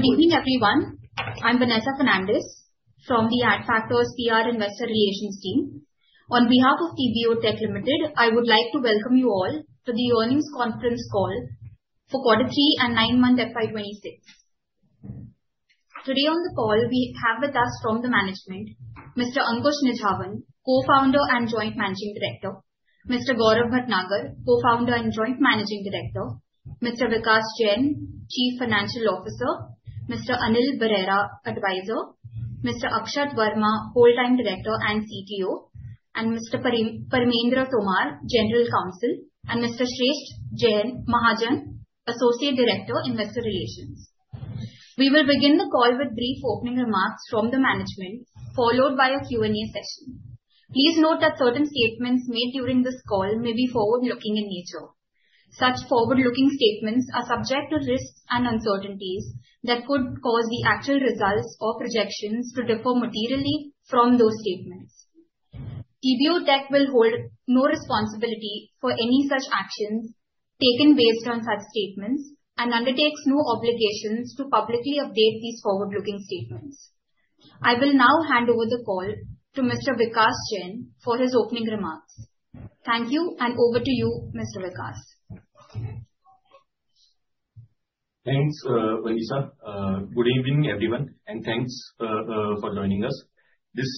Good evening, everyone. I'm Vanessa Fernandes from the Adfactors PR Investor Relations team. On behalf of TBO Tek Limited, I would like to welcome you all to the earnings conference call for Quarter Three and nine-month FY 2026. Today on the call, we have with us from the management, Mr. Ankush Nijhawan, Co-founder and Joint Managing Director, Mr. Gaurav Bhatnagar, Co-founder and Joint Managing Director, Mr. Vikas Jain, Chief Financial Officer, Mr. Anil Parashar, Advisor, Ms. Udita Verma, Whole-time Director and CSO, and Mr. Ravindra Tomar, General Counsel, and Ms. Srishti Jain Mahajan, Associate Director, Investor Relations. We will begin the call with brief opening remarks from the management, followed by a Q&A session. Please note that certain statements made during this call may be forward-looking in nature. Such forward-looking statements are subject to risks and uncertainties that could cause the actual results or projections to differ materially from those statements. TBO Tek will hold no responsibility for any such actions taken based on such statements and undertakes no obligations to publicly update these forward-looking statements. I will now hand over the call to Mr. Vikas Jain for his opening remarks. Thank you, and over to you, Mr. Vikas. Thanks, Vanessa. Good evening, everyone, and thanks for joining us. This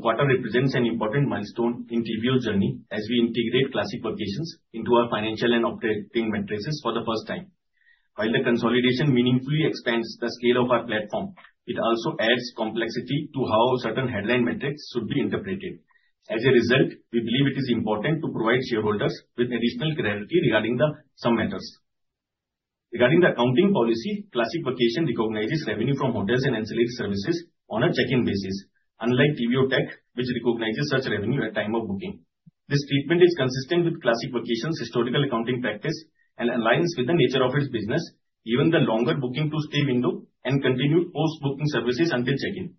quarter represents an important milestone in TBO's journey as we integrate Classic Vacations into our financial and operating metrics for the first time. While the consolidation meaningfully expands the scale of our platform, it also adds complexity to how certain headline metrics should be interpreted. As a result, we believe it is important to provide shareholders with additional clarity regarding some matters. Regarding the accounting policy, Classic Vacations recognizes revenue from hotels and ancillary services on a check-in basis, unlike TBO Tek, which recognizes such revenue at time of booking. This treatment is consistent with Classic Vacations' historical accounting practice and aligns with the nature of its business, given the longer booking to stay window and continued post-booking services until check-in.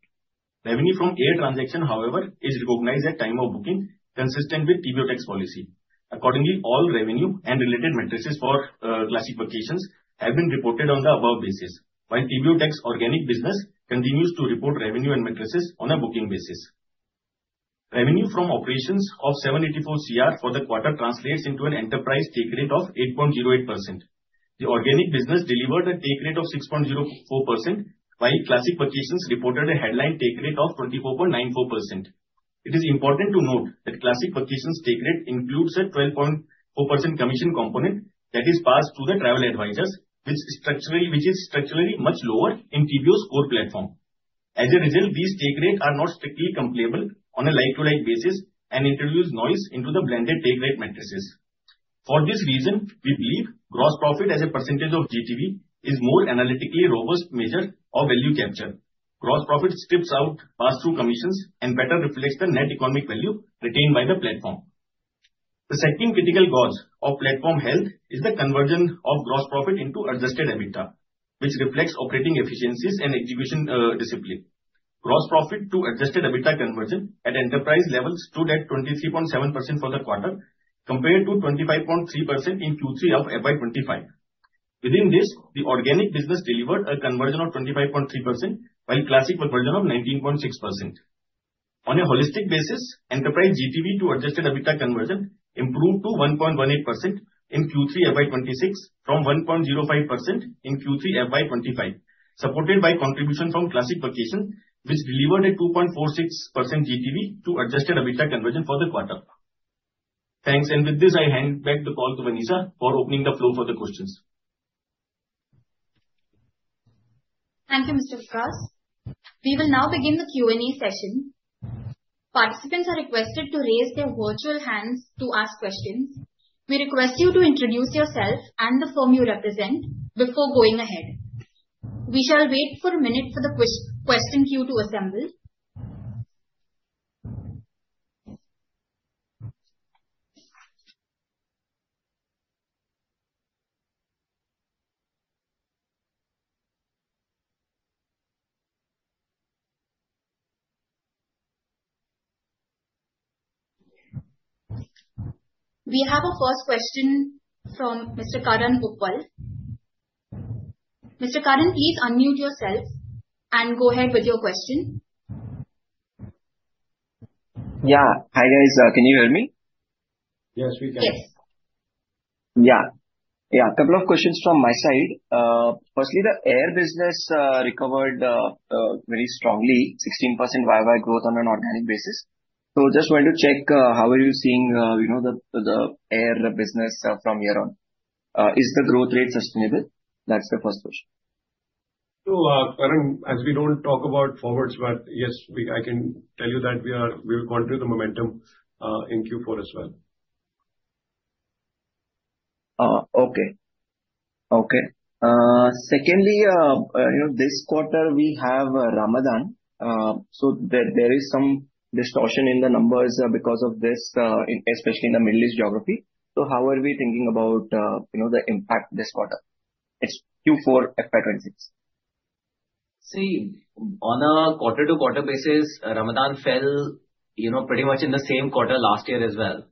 Revenue from air transaction, however, is recognized at time of booking, consistent with TBO Tek's policy. Accordingly, all revenue and related metrics for Classic Vacations have been reported on the above basis, while TBO Tek's organic business continues to report revenue and metrics on a booking basis. Revenue from operations of 784 crore for the quarter translates into an enterprise take rate of 8.08%. The organic business delivered a take rate of 6.04%, while Classic Vacations reported a headline take rate of 24.94%. It is important to note that Classic Vacations take rate includes a 12.4% commission component that is passed through the travel advisors, which is structurally much lower in TBO's core platform. As a result, these take rate are not strictly comparable on a like-to-like basis and introduces noise into the blended take rate metrics. For this reason, we believe gross profit as a percentage of GTV is more analytically robust measure of value capture. Gross profit strips out pass-through commissions and better reflects the net economic value retained by the platform. The second critical gauge of platform health is the conversion of gross profit into adjusted EBITDA, which reflects operating efficiencies and execution discipline. Gross profit to adjusted EBITDA conversion at enterprise level stood at 23.7% for the quarter, compared to 25.3% in Q3 of FY 2025. Within this, the organic business delivered a conversion of 25.3%, while Classic conversion of 19.6%. On a holistic basis, enterprise GTV to Adjusted EBITDA conversion improved to 1.18% in Q3 FY 2026 from 1.05% in Q3 FY 2025, supported by contribution from Classic Vacations, which delivered a 2.46% GTV to Adjusted EBITDA conversion for the quarter. Thanks, and with this, I hand back the call to Vanessa for opening the floor for the questions. Thank you, Mr. Vikas. We will now begin the Q&A session. Participants are requested to raise their virtual hands to ask questions. We request you to introduce yourself and the firm you represent before going ahead. We shall wait for a minute for the question queue to assemble. We have a first question from Mr. Karan Uppal. Mr. Karan, please unmute yourself and go ahead with your question. Yeah. Hi, guys. Can you hear me? Yes, we can. Yes. Yeah. Yeah, couple of questions from my side. Firstly, the air business recovered very strongly, 16% YoY growth on an organic basis. So just wanted to check how are you seeing, you know, the air business from here on? Is the growth rate sustainable? That's the first question. Karan, as we don't talk about forwards, but yes, we, I can tell you that we are, we will continue the momentum in Q4 as well. Okay. Okay. Secondly, you know, this quarter we have Ramadan, so there is some distortion in the numbers because of this, in especially in the Middle East geography. So how are we thinking about, you know, the impact this quarter, it's Q4 FY 2026? See, on a quarter-to-quarter basis, Ramadan fell, you know, pretty much in the same quarter last year as well...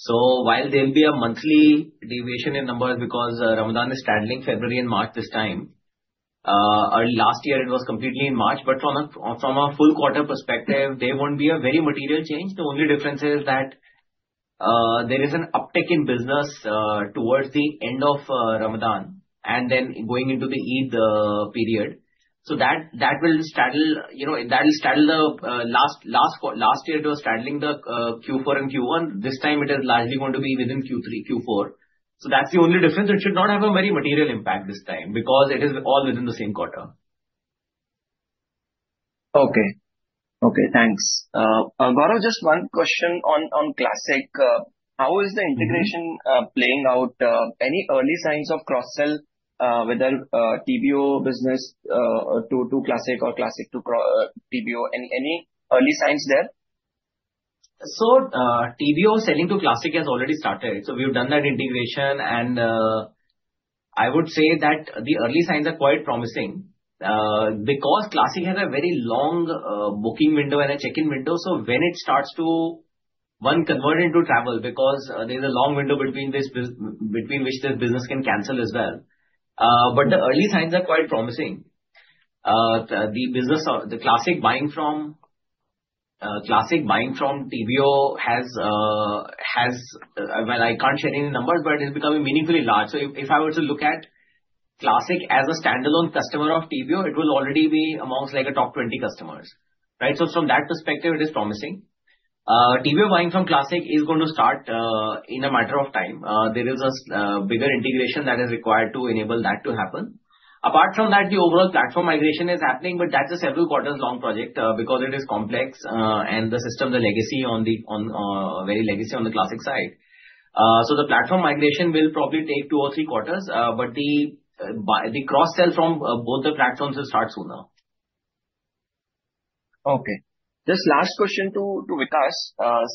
So while there will be a monthly deviation in numbers because, Ramadan is straddling February and March this time, early last year it was completely in March. But from a full quarter perspective, there won't be a very material change. The only difference is that, there is an uptick in business, towards the end of, Ramadan, and then going into the Eid, period. So that, that will straddle, you know, that will straddle the, last year it was straddling the, Q4 and Q1. This time it is largely going to be within Q3, Q4. So that's the only difference. It should not have a very material impact this time, because it is all within the same quarter. Okay. Okay, thanks. Gaurav, just one question on Classic. How is the integration playing out? Any early signs of cross-sell, whether TBO business to Classic or Classic to TBO. Any early signs there? So, TBO selling to Classic has already started, so we've done that integration. And, I would say that the early signs are quite promising. Because Classic has a very long booking window and a check-in window, so when it starts to convert into travel, because there's a long window between which the business can cancel as well. But the early signs are quite promising. The business of Classic buying from TBO has... Well, I can't share any numbers, but it's becoming meaningfully large. So if I were to look at Classic as a standalone customer of TBO, it will already be amongst like a top 20 customers, right? So from that perspective, it is promising. TBO buying from Classic is going to start in a matter of time. There is a bigger integration that is required to enable that to happen. Apart from that, the overall platform migration is happening, but that's a several quarters long project because it is complex and the system, the legacy on the, on, very legacy on the classic side. So the platform migration will probably take two or three quarters. But the buy, the cross-sell from both the platforms will start sooner. Okay. Just last question to Vikas.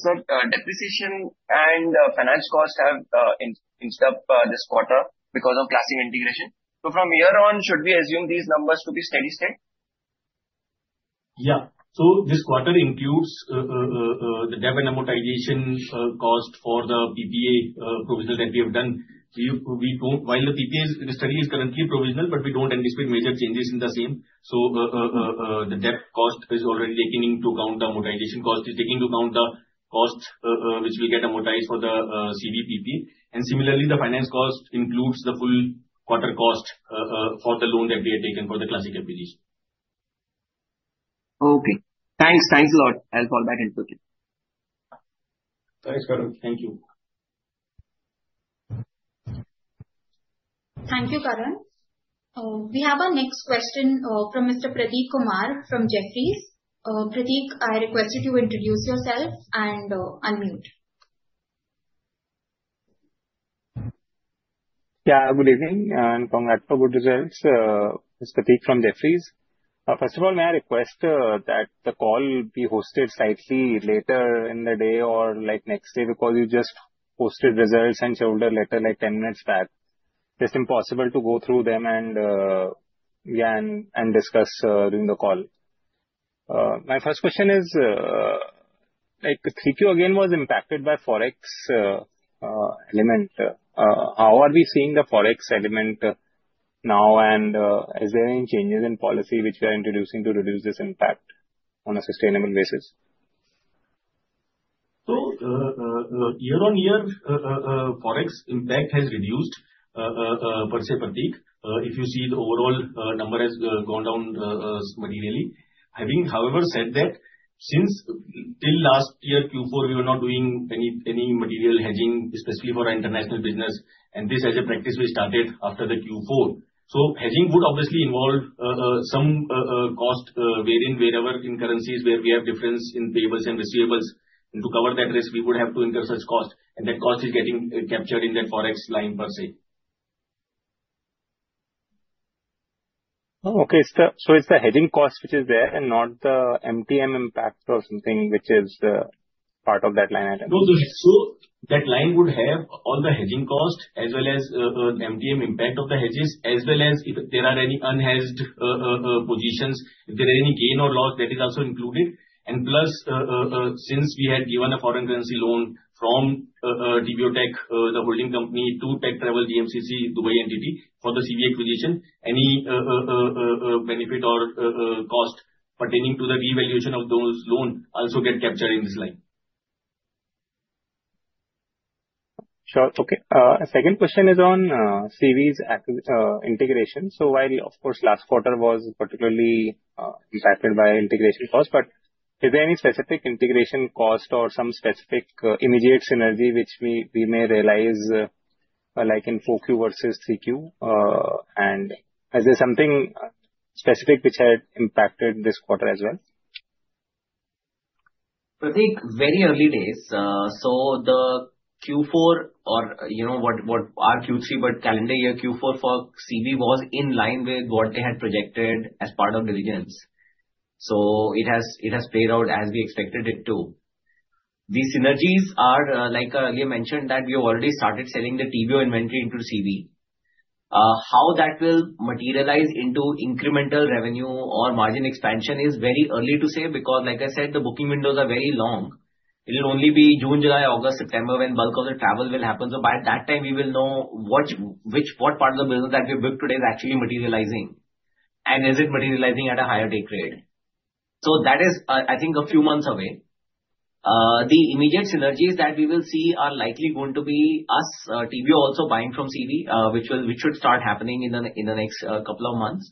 So, depreciation and finance costs have increased this quarter because of Classic integration. So from here on, should we assume these numbers to be steady state? Yeah. So this quarter includes the debt and amortization cost for the PPA provisional that we have done. So you, we don't—While the PPA study is currently provisional, but we don't anticipate major changes in the same. So the debt cost is already taking into account the amortization cost. It's taking into account the costs which will get amortized for the CV PPA. And similarly, the finance cost includes the full quarter cost for the loan that we have taken for the Classic acquisition. Okay, thanks. Thanks a lot. I'll fall back into queue. Thanks, Karan. Thank you. Thank you, Karan. We have our next question from Mr. Pratik Kumar from Jefferies. Pradeep, I request you to introduce yourself and unmute. Yeah, good evening, and congrats for good results. It's Pratik from Jefferies. First of all, may I request that the call be hosted slightly later in the day or, like, next day, because you just posted results and shareholder letter, like, 10 minutes back. It's impossible to go through them and, yeah, and discuss during the call. My first question is, like, Q3 again was impacted by Forex element. How are we seeing the Forex element now? And, is there any changes in policy which we are introducing to reduce this impact on a sustainable basis? So, year on year, Forex impact has reduced, per se, Pratik. If you see, the overall number has gone down materially. Having, however, said that, since till last year, Q4, we were not doing any material hedging, especially for our international business, and this as a practice we started after the Q4. So hedging would obviously involve some cost, varying wherever in currencies where we have difference in payables and receivables. And to cover that risk, we would have to incur such cost, and that cost is getting captured in the Forex line per se. Okay, so, so it's the hedging cost which is there and not the MTM impact or something which is the part of that line item? No, so that line would have all the hedging cost as well as, the MTM impact of the hedges, as well as if there are any unhedged, positions. If there are any gain or loss, that is also included. And plus, since we had given a foreign currency loan from, TBO Tek, the holding company, to Tek Travels DMCC, Dubai entity, for the CV acquisition, any, benefit or, cost pertaining to the revaluation of those loan also get captured in this line. Sure. Okay. A second question is on CV's integration. So while of course last quarter was particularly impacted by integration costs, but is there any specific integration cost or some specific immediate synergy which we may realize like in 4Q versus 3Q? And is there something specific which had impacted this quarter as well? Pratik, very early days. So the Q4, or you know, what, what, our Q3, but calendar year Q4 for CV was in line with what they had projected as part of diligence. So it has, it has played out as we expected it to. The synergies are, like I earlier mentioned, that we have already started selling the TBO inventory into CV. How that will materialize into incremental revenue or margin expansion is very early to say, because like I said, the booking windows are very long. It'll only be June, July, August, September, when bulk of the travel will happen. So by that time, we will know what, which, what part of the business that we booked today is actually materializing, and is it materializing at a higher rate. So that is, I think, a few months away. The immediate synergies that we will see are likely going to be us, TBO also buying from CV, which should start happening in the next couple of months.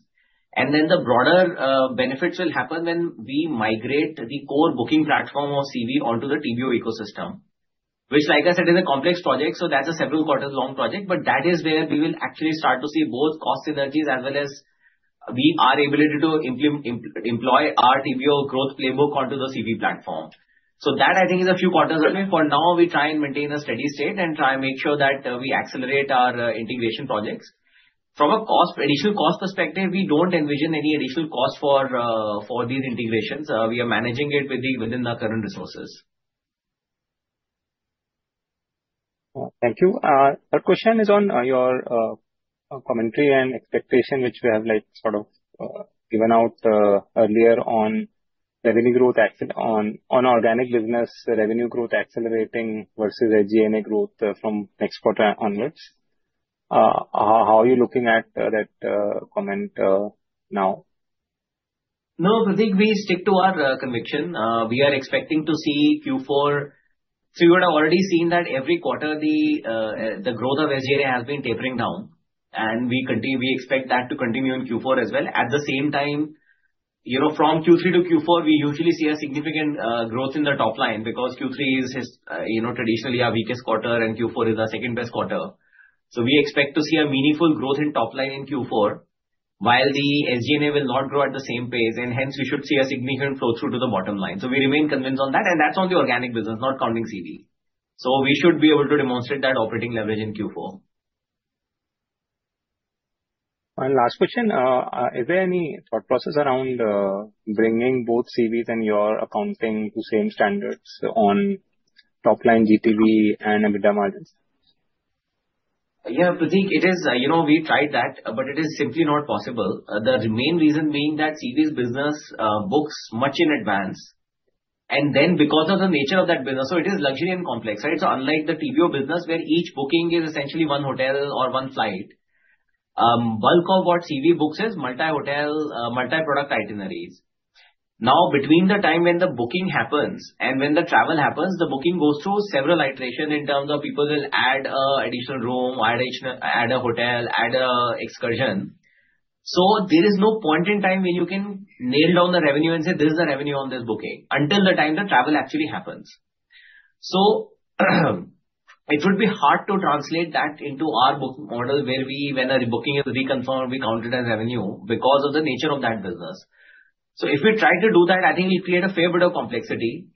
And then, the broader benefits will happen when we migrate the core booking platform of CV onto the TBO ecosystem, which like I said, is a complex project, so that's a several quarters long project. But that is where we will actually start to see both cost synergies, as well as we are able to employ our TBO growth playbook onto the CV platform. So that, I think, is a few quarters away. For now, we try and maintain a steady state and try and make sure that we accelerate our integration projects. From a cost, initial cost perspective, we don't envision any additional cost for these integrations. We are managing it within the current resources. Thank you. Our question is on your commentary and expectation, which we have, like, sort of, given out earlier on revenue growth on organic business revenue growth accelerating versus SG&A growth from next quarter onwards. How are you looking at that comment now? No, Pratik, we stick to our conviction. We are expecting to see Q4. So you would have already seen that every quarter, the growth of SG&A has been tapering down, and we continue, we expect that to continue in Q4 as well. At the same time, you know, from Q3 to Q4, we usually see a significant growth in the top line, because Q3 is, you know, traditionally our weakest quarter, and Q4 is our second best quarter. So we expect to see a meaningful growth in top line in Q4, while the SG&A will not grow at the same pace, and hence we should see a significant flow-through to the bottom line. So we remain convinced on that, and that's on the organic business, not counting CV. So we should be able to demonstrate that operating leverage in Q4. Last question. Is there any thought process around bringing both CVs and your accounting to same standards on top line GTV and EBITDA margins? Yeah, Pratik, it is, you know, we tried that, but it is simply not possible. The main reason being that CV's business books much in advance, and then, because of the nature of that business, so it is luxury and complex, right? So unlike the TBO business, where each booking is essentially one hotel or one flight, bulk of what CV books is multi-hotel, multi-product itineraries. Now, between the time when the booking happens and when the travel happens, the booking goes through several iterations in terms of people will add an additional room, or add a hotel, add an excursion. So there is no point in time where you can nail down the revenue and say, "This is the revenue on this booking," until the time the travel actually happens. So, it would be hard to translate that into our booking model, where we, when a booking is reconfirmed, we count it as revenue, because of the nature of that business. So if we try to carry to do that, I think we create a fair bit of complexity.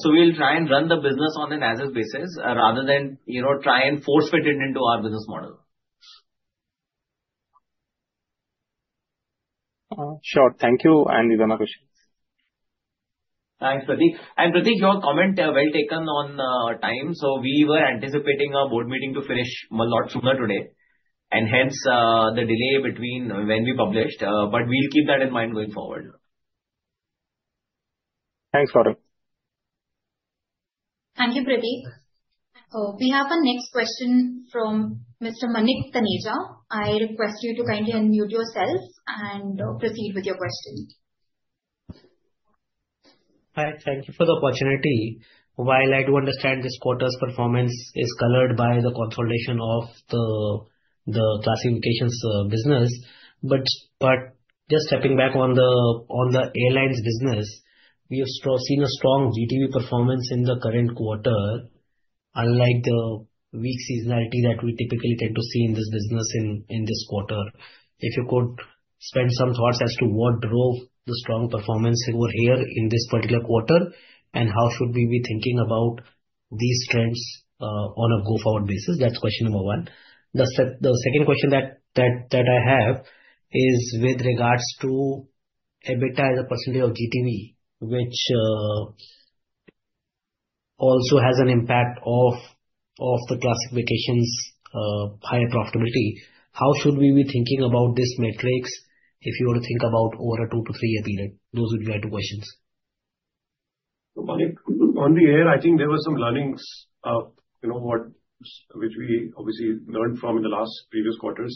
So we'll try and run the business on an as-is basis, rather than, you know, try and force fit it into our business model. Sure. Thank you, and these are my questions. Thanks, Pratik. Pratik, your comment, well taken on time. So we were anticipating our board meeting to finish a lot sooner today, and hence, the delay between when we published. But we'll keep that in mind going forward. Thanks, Varun. Thank you, Pratik. We have our next question from Mr. Manik Taneja. I request you to kindly unmute yourself and proceed with your question. Hi, thank you for the opportunity. While I do understand this quarter's performance is colored by the consolidation of the Classic Vacations business, but just stepping back on the airlines business, we have seen a strong GTV performance in the current quarter, unlike the weak seasonality that we typically tend to see in this business in this quarter. If you could spend some thoughts as to what drove the strong performance over here in this particular quarter, and how should we be thinking about these trends on a go-forward basis? That's question number one. The second question that I have is with regards to EBITDA as a percentage of GTV, which also has an impact of the Classic Vacations higher profitability. How should we be thinking about this metrics if you were to think about over a 2-3-year period? Those would be my two questions. So, Manik, on the air, I think there were some learnings, you know what, which we obviously learned from in the last previous quarters.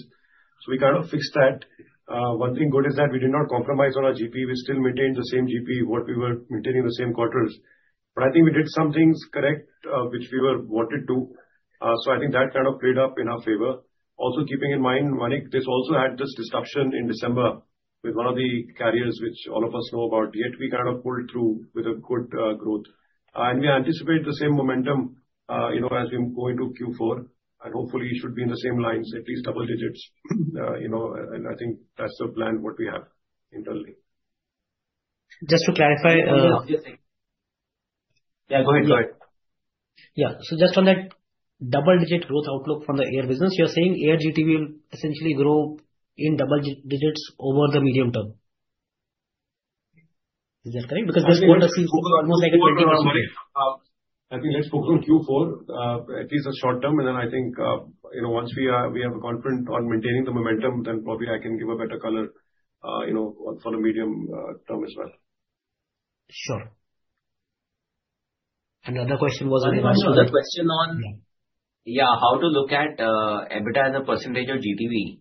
So we kind of fixed that. One thing good is that we did not compromise on our GP. We still maintained the same GP, what we were maintaining the same quarters. But I think we did some things correct, which we were wanted to. So I think that kind of played up in our favor. Also, keeping in mind, Manik, this also had this disruption in December with one of the carriers, which all of us know about, yet we kind of pulled through with a good growth. And we anticipate the same momentum, you know, as we go into Q4. And hopefully it should be in the same lines, at least double digits. You know, and I think that's the plan, what we have internally. Just to clarify, Yeah, go ahead, go ahead. Yeah. So just on that double-digit growth outlook from the air business, you're saying air GTV will essentially grow in double digits over the medium term? Is that correct? Because this quarter seems almost like a quarter. I think let's focus on Q4, at least the short term, and then I think, you know, once we are confident in maintaining the momentum, then probably I can give a better color, you know, for the medium term as well. Sure. And the other question was on- So the question on, yeah, how to look at EBITDA as a percentage of GTV.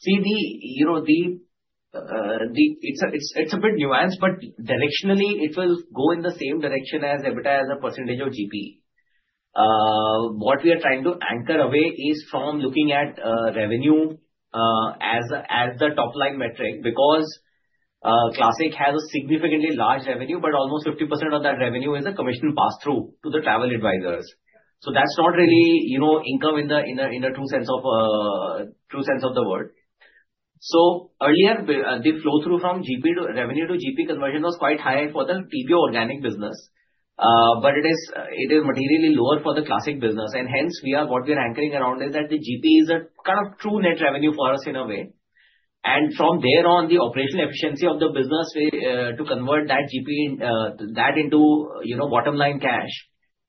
See the, you know, it's a bit nuanced, but directionally it will go in the same direction as EBITDA as a percentage of GP. What we are trying to anchor away is from looking at revenue as the top line metric, because Classic has a significantly large revenue, but almost 50% of that revenue is a commission pass-through to the travel advisors. So that's not really, you know, income in the true sense of the word. So earlier, the flow-through from GP to... Revenue to GP conversion was quite high for the TBO organic business, but it is materially lower for the Classic business, and hence, what we are anchoring around is that the GP is a kind of true net revenue for us in a way. And from there on, the operational efficiency of the business to convert that GP that into, you know, bottom-line cash,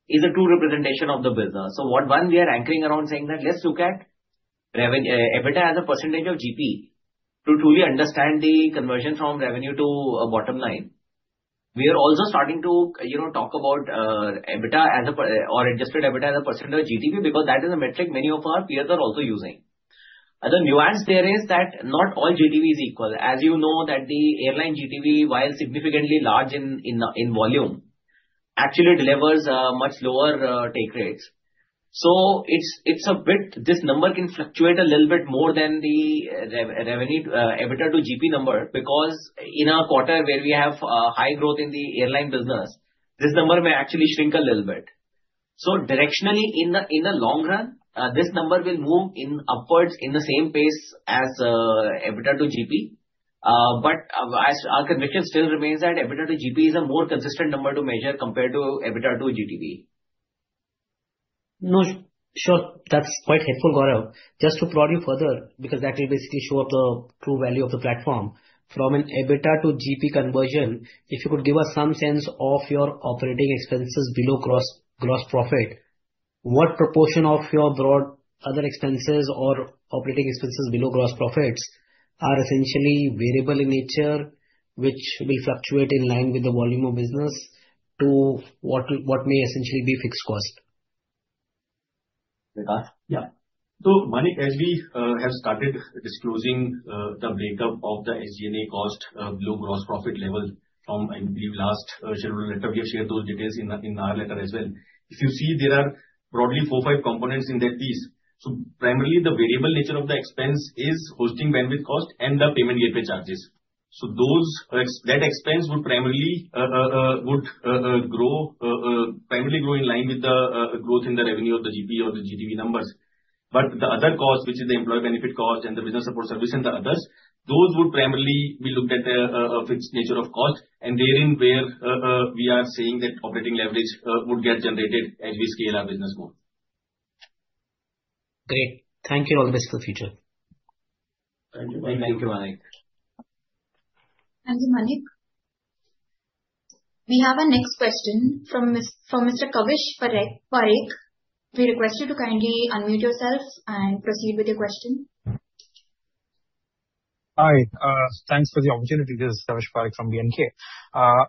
is a true representation of the business. So, one, we are anchoring around saying that, let's look at EBITDA as a percentage of GP to truly understand the conversion from revenue to bottom line. We are also starting to, you know, talk about EBITDA or adjusted EBITDA as a percentage of GTV, because that is a metric many of our peers are also using. The nuance there is that not all GTV is equal. As you know that the airline GTV, while significantly large in volume, actually delivers much lower take rates. So it's a bit, this number can fluctuate a little bit more than the revenue EBITDA to GP number, because in a quarter where we have high growth in the airline business, this number may actually shrink a little bit. So directionally in the long run, this number will move in upwards in the same pace as EBITDA to GP. But as our conviction still remains that EBITDA to GP is a more consistent number to measure compared to EBITDA to GTV. No, sure. That's quite helpful, Gaurav. Just to prod you further, because that will basically show up the true value of the platform. From an EBITDA to GP conversion, if you could give us some sense of your operating expenses below gross profit, what proportion of your broad other expenses or operating expenses below gross profits are essentially variable in nature, which will fluctuate in line with the volume of business, to what may essentially be fixed cost? Vikas? Yeah. So, Manik, as we have started disclosing the breakup of the SG&A cost below gross profit level from, I believe, last shareholder letter, we have shared those details in the, in our letter as well. If you see, there are broadly four, five components in that piece. So primarily, the variable nature of the expense is hosting, bandwidth cost, and the payment gateway charges. So those that expense would primarily grow in line with the growth in the revenue of the GP or the GTV numbers. But the other cost, which is the employee benefit cost and the business support service and the others, those would primarily be looked at a fixed nature of cost. And therein, where we are saying that operating leverage would get generated as we scale our business more. Great. Thank you. All the best for the future. Thank you, Manik. Thank you, Manik. Thank you, Manik. We have our next question from Ms, from Mr. Kavish Parekh. We request you to kindly unmute yourself and proceed with your question. Hi, thanks for the opportunity. This is Kavish Parekh from BNK.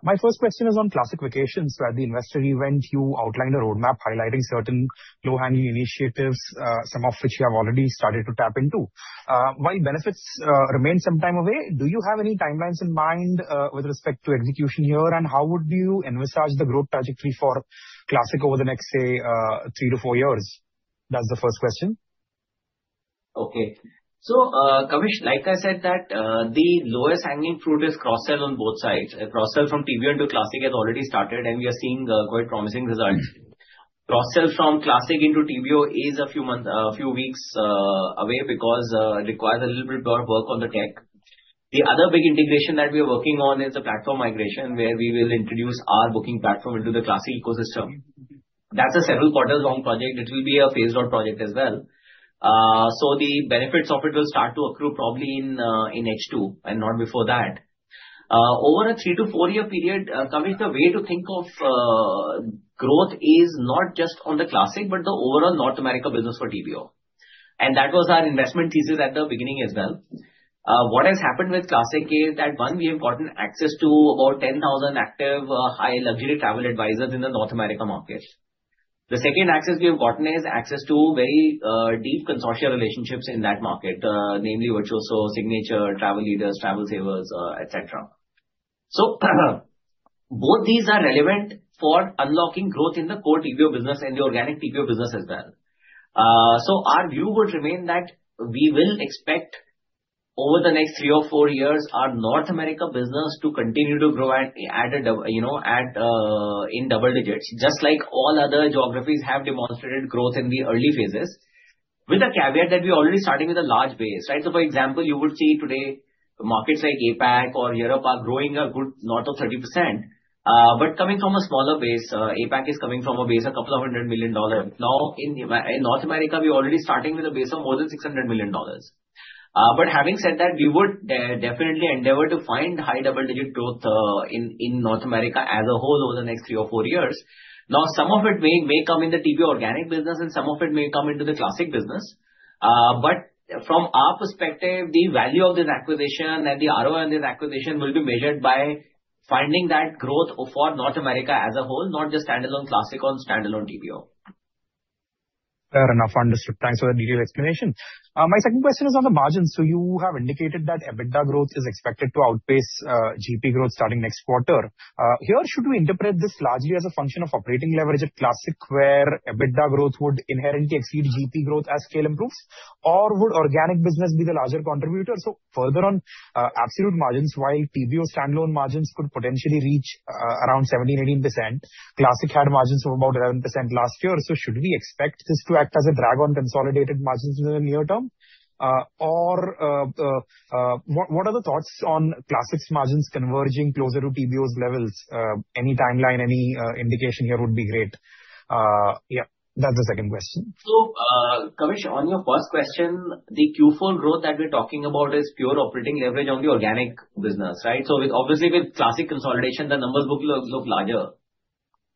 My first question is on Classic Vacations. At the investor event, you outlined a roadmap highlighting certain low-hanging initiatives, some of which you have already started to tap into. While benefits remain some time away, do you have any timelines in mind, with respect to execution here? And how would you envisage the growth trajectory for Classic over the next, say, three to four years? That's the first question. Okay. So, Kavish, like I said, that, the lowest hanging fruit is cross-sell on both sides. Cross-sell from TBO into Classic has already started, and we are seeing, quite promising results. Cross-sell from Classic into TBO is a few months, few weeks, away because, it requires a little bit more work on the tech. The other big integration that we are working on is the platform migration, where we will introduce our booking platform into the Classic ecosystem. That's a several-quarter long project. It will be a phased out project as well. So the benefits of it will start to accrue probably in, in H2 and not before that. Over a three to four-year period, Kavish, the way to think of, growth is not just on the Classic, but the overall North America business for TBO. That was our investment thesis at the beginning as well. What has happened with Classic is that, one, we have gotten access to over 10,000 active, high luxury travel advisors in the North America market. The second access we have gotten is access to very, deep consortia relationships in that market, namely, Virtuoso, Signature, Travel Leaders, TravelSavers, et cetera. So, both these are relevant for unlocking growth in the core TBO business and the organic TBO business as well. So our view would remain that we will expect over the next three or four years, our North America business to continue to grow at, at a you know, at, in double digits, just like all other geographies have demonstrated growth in the early phases, with the caveat that we're already starting with a large base, right? So for example, you would see today markets like APAC or Europe are growing a good lot of 30%, but coming from a smaller base. APAC is coming from a base of a couple of hundred million dollars. Now, in North America, we're already starting with a base of more than $600 million. But having said that, we would definitely endeavor to find high double-digit growth in North America as a whole over the next 3 or 4 years. Now, some of it may come in the TBO organic business, and some of it may come into the Classic business. But from our perspective, the value of this acquisition and the ROA on this acquisition will be measured by finding that growth for North America as a whole, not just standalone Classic or standalone TBO. Fair enough, understood. Thanks for that detailed explanation. My second question is on the margins. So you have indicated that EBITDA growth is expected to outpace GP growth starting next quarter. Here, should we interpret this largely as a function of operating leverage at Classic, where EBITDA growth would inherently exceed GP growth as scale improves? Or would organic business be the larger contributor? So further on absolute margins, while TBO standalone margins could potentially reach around 17%-18%, Classic had margins of about 11% last year. So should we expect this to act as a drag on consolidated margins in the near term? Or what are the thoughts on Classic's margins converging closer to TBO's levels? Any timeline, any indication here would be great. Yeah, that's the second question. So, Kavish, on your first question, the Q4 growth that we're talking about is pure operating leverage on the organic business, right? So with, obviously with Classic consolidation, the numbers will look, look larger.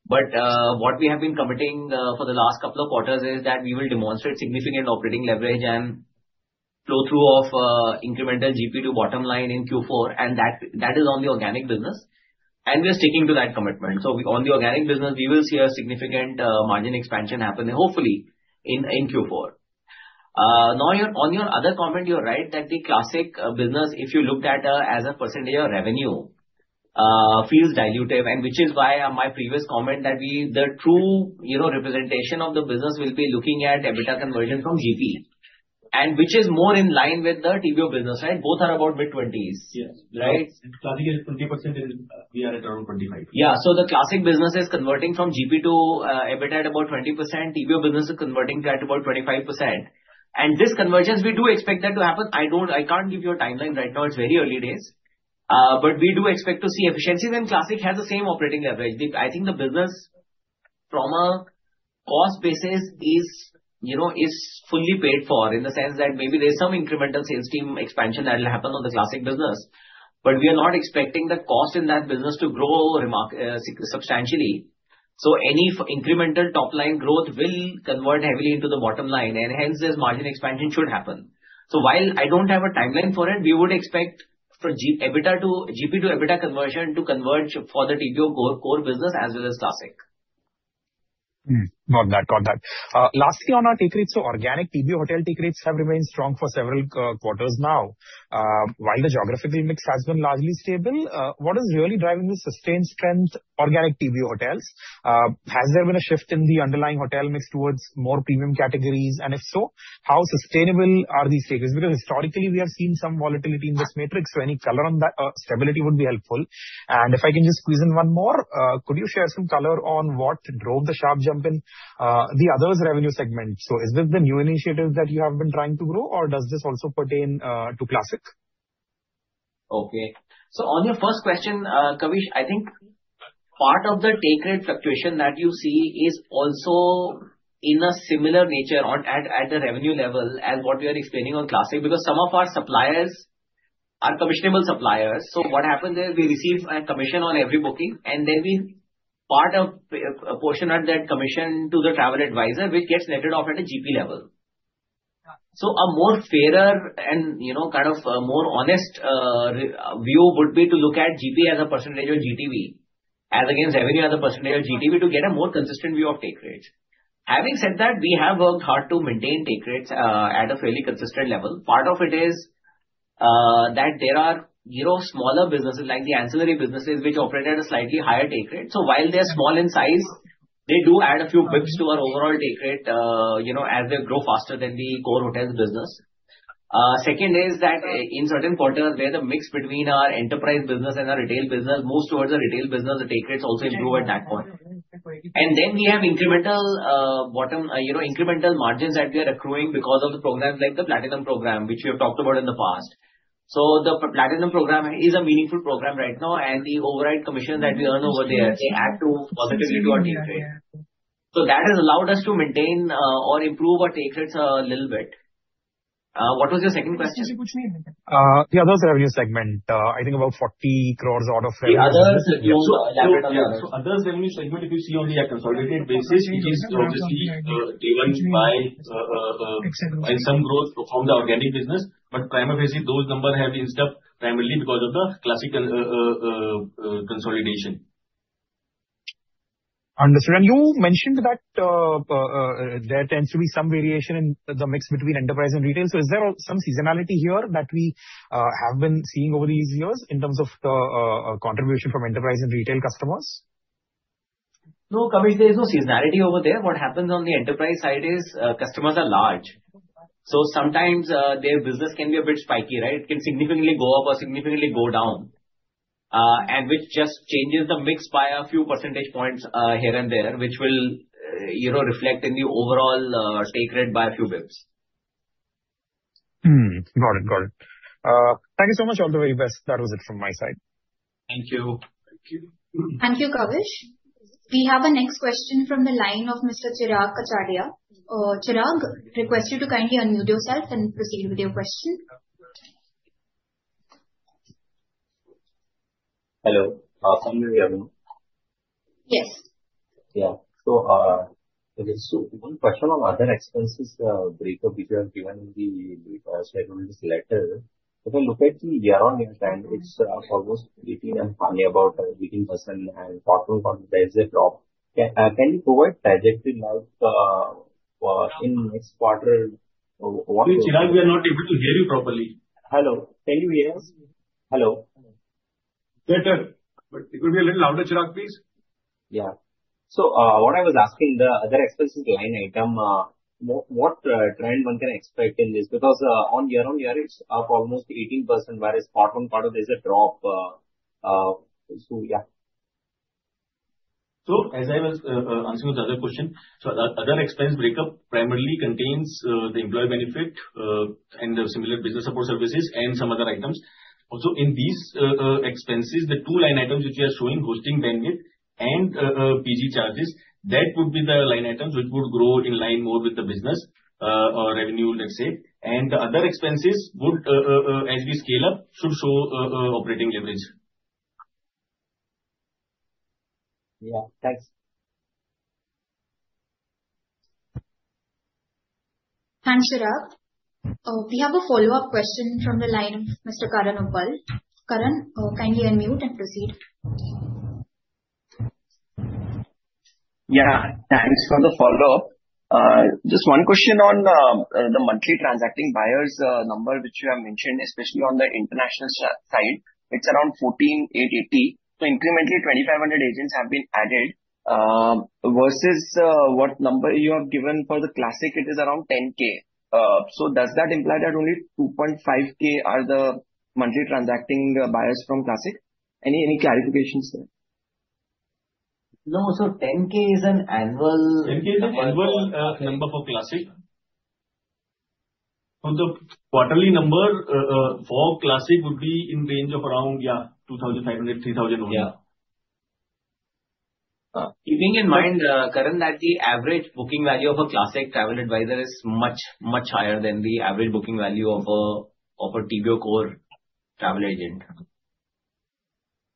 But, what we have been committing, for the last couple of quarters is that we will demonstrate significant operating leverage and flow-through of, incremental GP to bottom line in Q4, and that, that is on the organic business, and we are sticking to that commitment. So on the organic business, we will see a significant, margin expansion happening, hopefully in, in Q4. Now, on your other comment, you're right that the Classic business, if you looked at as a percentage of revenue, feels dilutive, and which is why my previous comment that we—the true, you know, representation of the business will be looking at EBITDA conversion from GP, and which is more in line with the TBO business, right? Both are about mid-twenties. Yes. Right? Classic is 20% and we are around 25%. Yeah. So the Classic business is converting from GP to EBITDA at about 20%. TBO business is converting that at about 25%. And this convergence, we do expect that to happen. I can't give you a timeline right now, it's very early days. But we do expect to see efficiency, and Classic has the same operating leverage. I think the business from a cost basis is, you know, is fully paid for, in the sense that maybe there's some incremental sales team expansion that will happen on the Classic business, but we are not expecting the cost in that business to grow substantially. So any incremental top line growth will convert heavily into the bottom line, and hence this margin expansion should happen. So while I don't have a timeline for it, we would expect for GP to EBITDA conversion to converge for the TBO core business as well as Classic. Hmm. Got that, got that. Lastly, on our take rates, so organic TBO hotel take rates have remained strong for several quarters now. While the geography mix has been largely stable, what is really driving the sustained strength organic TBO hotels? Has there been a shift in the underlying hotel mix towards more premium categories, and if so, how sustainable are these figures? Because historically we have seen some volatility in this metric, so any color on that stability would be helpful. And if I can just squeeze in one more, could you share some color on what drove the sharp jump in the others revenue segment? So is this the new initiatives that you have been trying to grow, or does this also pertain to Classic? Okay. So on your first question, Kavish, I think part of the take rate fluctuation that you see is also in a similar nature on at the revenue level as what we are explaining on Classic, because some of our suppliers are commissionable suppliers. So what happens is we receive a commission on every booking, and then we part a portion of that commission to the travel advisor, which gets netted off at a GP level. So a more fairer and, you know, kind of a more honest view would be to look at GP as a percentage of GTV, as against revenue as a percentage of GTV, to get a more consistent view of take rates. Having said that, we have worked hard to maintain take rates at a fairly consistent level. Part of it is, that there are, you know, smaller businesses, like the ancillary businesses, which operate at a slightly higher take rate. So while they are small in size, they do add a few basis points to our overall take rate, you know, as they grow faster than the core hotels business. Second is that in certain quarters, where the mix between our enterprise business and our retail business moves towards the retail business, the take rates also improve at that point. And then we have incremental, bottom, you know, incremental margins that we are accruing because of the programs like the Platinum program, which we have talked about in the past. So the Platinum program is a meaningful program right now, and the override commission that we earn over there add to positively to our take rate. So that has allowed us to maintain, or improve our take rates a little bit. What was your second question? The other revenue segment, I think about 40 crores out of- The others- So other revenue segment, if you see on the consolidated basis, which is obviously, driven by, by some growth from the organic business, but primarily, those numbers have been stuck primarily because of the Classic, consolidation. Understood. And you mentioned that there tends to be some variation in the mix between enterprise and retail. So is there some seasonality here that we have been seeing over these years in terms of the contribution from enterprise and retail customers? No, Kavish, there is no seasonality over there. What happens on the enterprise side is, customers are large, so sometimes, their business can be a bit spiky, right? It can significantly go up or significantly go down... and which just changes the mix by a few percentage points, here and there, which will, you know, reflect in the overall, take rate by a few bits. Got it, got it. Thank you so much. All the very best. That was it from my side. Thank you. Thank you. Thank you, Kavish. We have our next question from the line of Mr. Chirag Kachhadiya. Chirag, request you to kindly unmute yourself and proceed with your question. Hello. Can you hear me? Yes. Yeah. So, one question on other expenses breakup, which you have given in the slides letter. If I look at the year-on-year trend, it's almost 18 and 20 about 18%, and quarter-on-quarter, there's a drop. Can you provide trajectory like in next quarter? What- Chirag, we are not able to hear you properly. Hello. Can you hear us? Hello. Better, but could you be a little louder, Chirag, please? Yeah. So, what I was asking, the Other Expenses line item, what trend one can expect in this? Because, on year-on-year, it's up almost 18%, whereas quarter-on-quarter there's a drop. So yeah. So, as I was answering the other question, so other expense breakup primarily contains the employee benefit and the similar business support services and some other items. Also, in these expenses, the two line items which we are showing, hosting bandwidth and PG charges, that would be the line items which would grow in line more with the business or revenue, let's say. And the other expenses would, as we scale up, should show operating leverage. Yeah. Thanks. Thanks, Chirag. We have a follow-up question from the line of Mr. Karan Uppal. Karan, kindly unmute and proceed. Yeah, thanks for the follow-up. Just one question on the monthly transacting buyers number, which you have mentioned, especially on the international side. It's around 1,480. So incrementally, 2,500 agents have been added versus what number you have given for the Classic, it is around 10,000. So does that imply that only 2,500 are the monthly transacting buyers from Classic? Any clarifications there? No. So 10,000 is an annual- 10,000 is an annual number for Classic. So the quarterly number for Classic would be in range of around, yeah, $2,500-$3,000 only. Yeah. Keeping in mind, Karan, that the average booking value of a Classic travel advisor is much, much higher than the average booking value of a TBO core travel agent.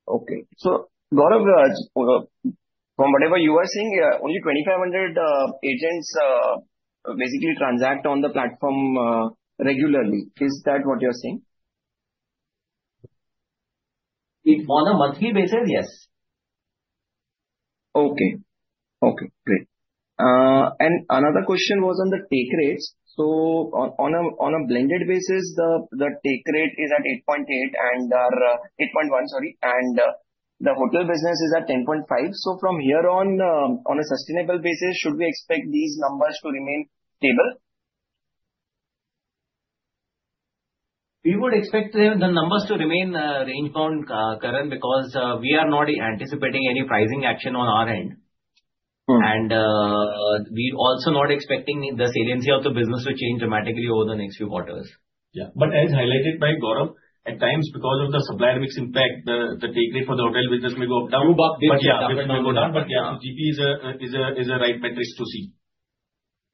Okay. So Gaurav, from whatever you are saying, only 2,500 agents basically transact on the platform regularly. Is that what you're saying? If on a monthly basis, yes. Okay. Okay, great. And another question was on the take rates. So on a blended basis, the take rate is at 8.8 and our 8.1, sorry, and the hotel business is at 10.5. So from here on, on a sustainable basis, should we expect these numbers to remain stable? We would expect the numbers to remain range bound, Karan, because we are not anticipating any pricing action on our end. Mm-hmm. We're also not expecting the saliency of the business to change dramatically over the next few quarters. Yeah. But as highlighted by Gaurav, at times, because of the supplier mix impact, the take rate for the hotel business may go down. True, but- But yeah, may go down. But yeah, so GP is a right metrics to see.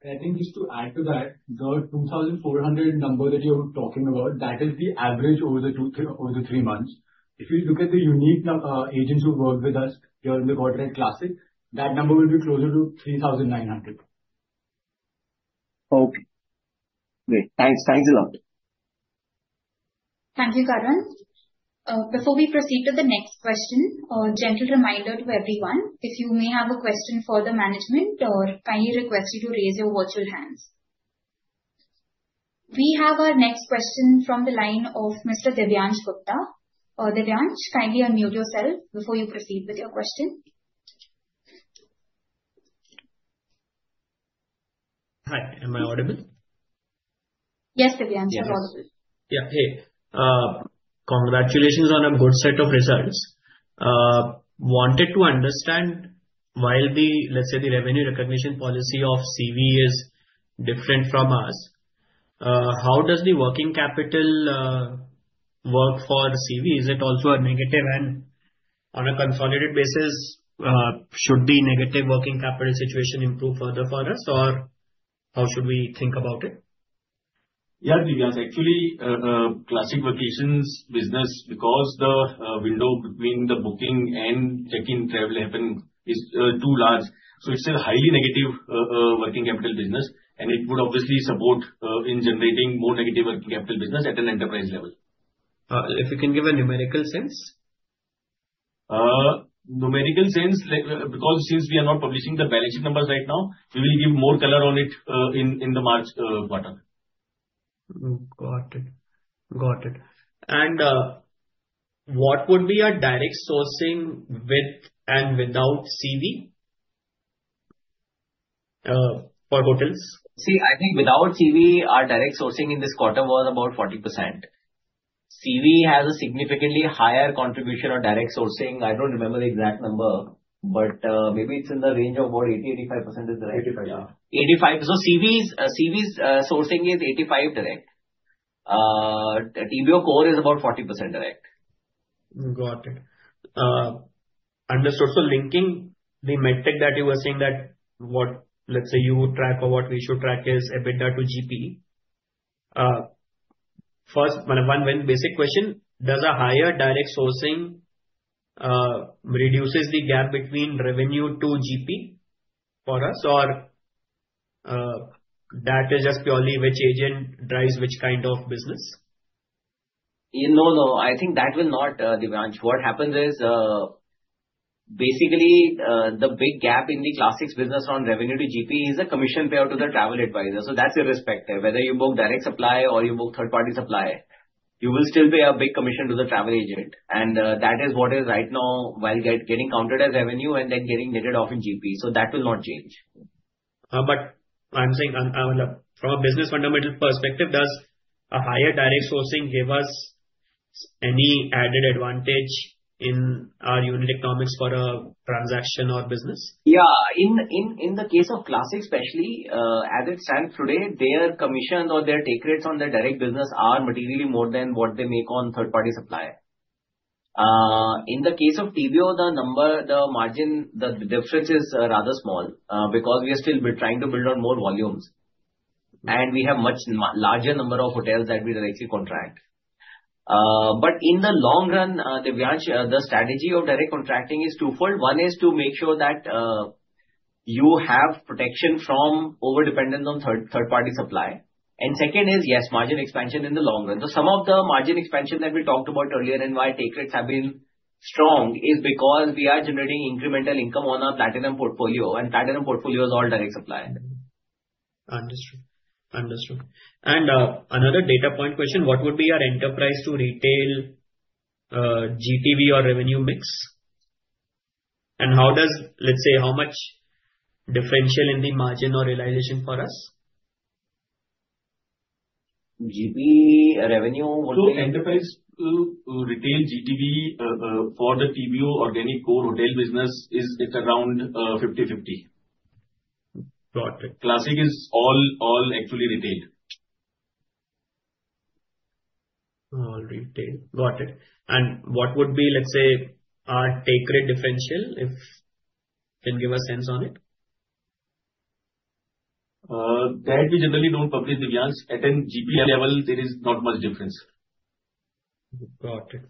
I think just to add to that, the 2,400 number that you're talking about, that is the average over the two, three, over the three months. If you look at the unique agents who work with us here in the quarter at Classic, that number will be closer to 3,900. Okay. Great. Thanks. Thanks a lot. Thank you, Karan. Before we proceed to the next question, a gentle reminder to everyone, if you may have a question for the management, kindly request you to raise your virtual hands. We have our next question from the line of Mr. Devansh Gupta. Devansh, kindly unmute yourself before you proceed with your question. Hi, am I audible? Yes, Devansh, you're audible. Yeah. Hey, congratulations on a good set of results. Wanted to understand, while the, let's say, the revenue recognition policy of CV is different from us, how does the working capital work for CV? Is it also a negative? And on a consolidated basis, should the negative working capital situation improve further for us, or how should we think about it? Yeah, Devansh, actually, Classic Vacations business, because the window between the booking and check-in travel happen is too large, so it's a highly negative working capital business, and it would obviously support in generating more negative working capital business at an enterprise level. If you can give a numerical sense? Numerical sense, like, because since we are not publishing the balance sheet numbers right now, we will give more color on it in the March quarter. Got it. Got it. And, what would be our direct sourcing with and without CV? For hotels? See, I think without CV, our direct sourcing in this quarter was about 40%. CV has a significantly higher contribution on direct sourcing. I don't remember the exact number, but, maybe it's in the range of about 80%-85% is the right- Eighty-five. Yeah. 85. So CV's sourcing is 85 direct. TBO core is about 40% direct. Got it. Understood. So linking the metric that you were saying that what, let's say, you would track or what we should track is EBITDA to GP. First, one basic question: Does a higher direct sourcing, reduces the gap between revenue to GP for us, or, that is just purely which agent drives which kind of business? No, no, I think that will not, Devansh. What happens is, basically, the big gap in the Classic's business on revenue to GP is the commission payout to the travel advisor. So that's irrespective. Whether you book direct supply or you book third-party supply, you will still pay a big commission to the travel agent. And that is what is right now while getting counted as revenue and then getting netted off in GP. So that will not change. But I'm saying, from a business fundamental perspective, does a higher direct sourcing give us any added advantage in our unit economics for a transaction or business? Yeah. In the case of Classic, especially, as it stands today, their commission or their take rates on their direct business are materially more than what they make on third-party supply. In the case of TBO, the number, the margin, the difference is rather small, because we are still trying to build out more volumes. And we have much larger number of hotels that we directly contract. But in the long run, Devansh, the strategy of direct contracting is twofold. One is to make sure that you have protection from overdependence on third-party supply, and second is, yes, margin expansion in the long run. Some of the margin expansion that we talked about earlier and why take rates have been strong is because we are generating incremental income on our Platinum portfolio, and Platinum portfolio is all direct supply. Understood. Understood. And, another data point question, what would be our enterprise to retail, GTV or revenue mix? And how does... Let's say, how much differential in the margin or realization for us? GP revenue or the- So enterprise to retail GTV for the TBO organic core hotel business is, it's around 50/50. Got it. Classic is all actually retail. All retail. Got it. And what would be, let's say, our take rate differential, if you can give a sense on it? That we generally don't publish, Devansh. At a GP level, there is not much difference. Got it.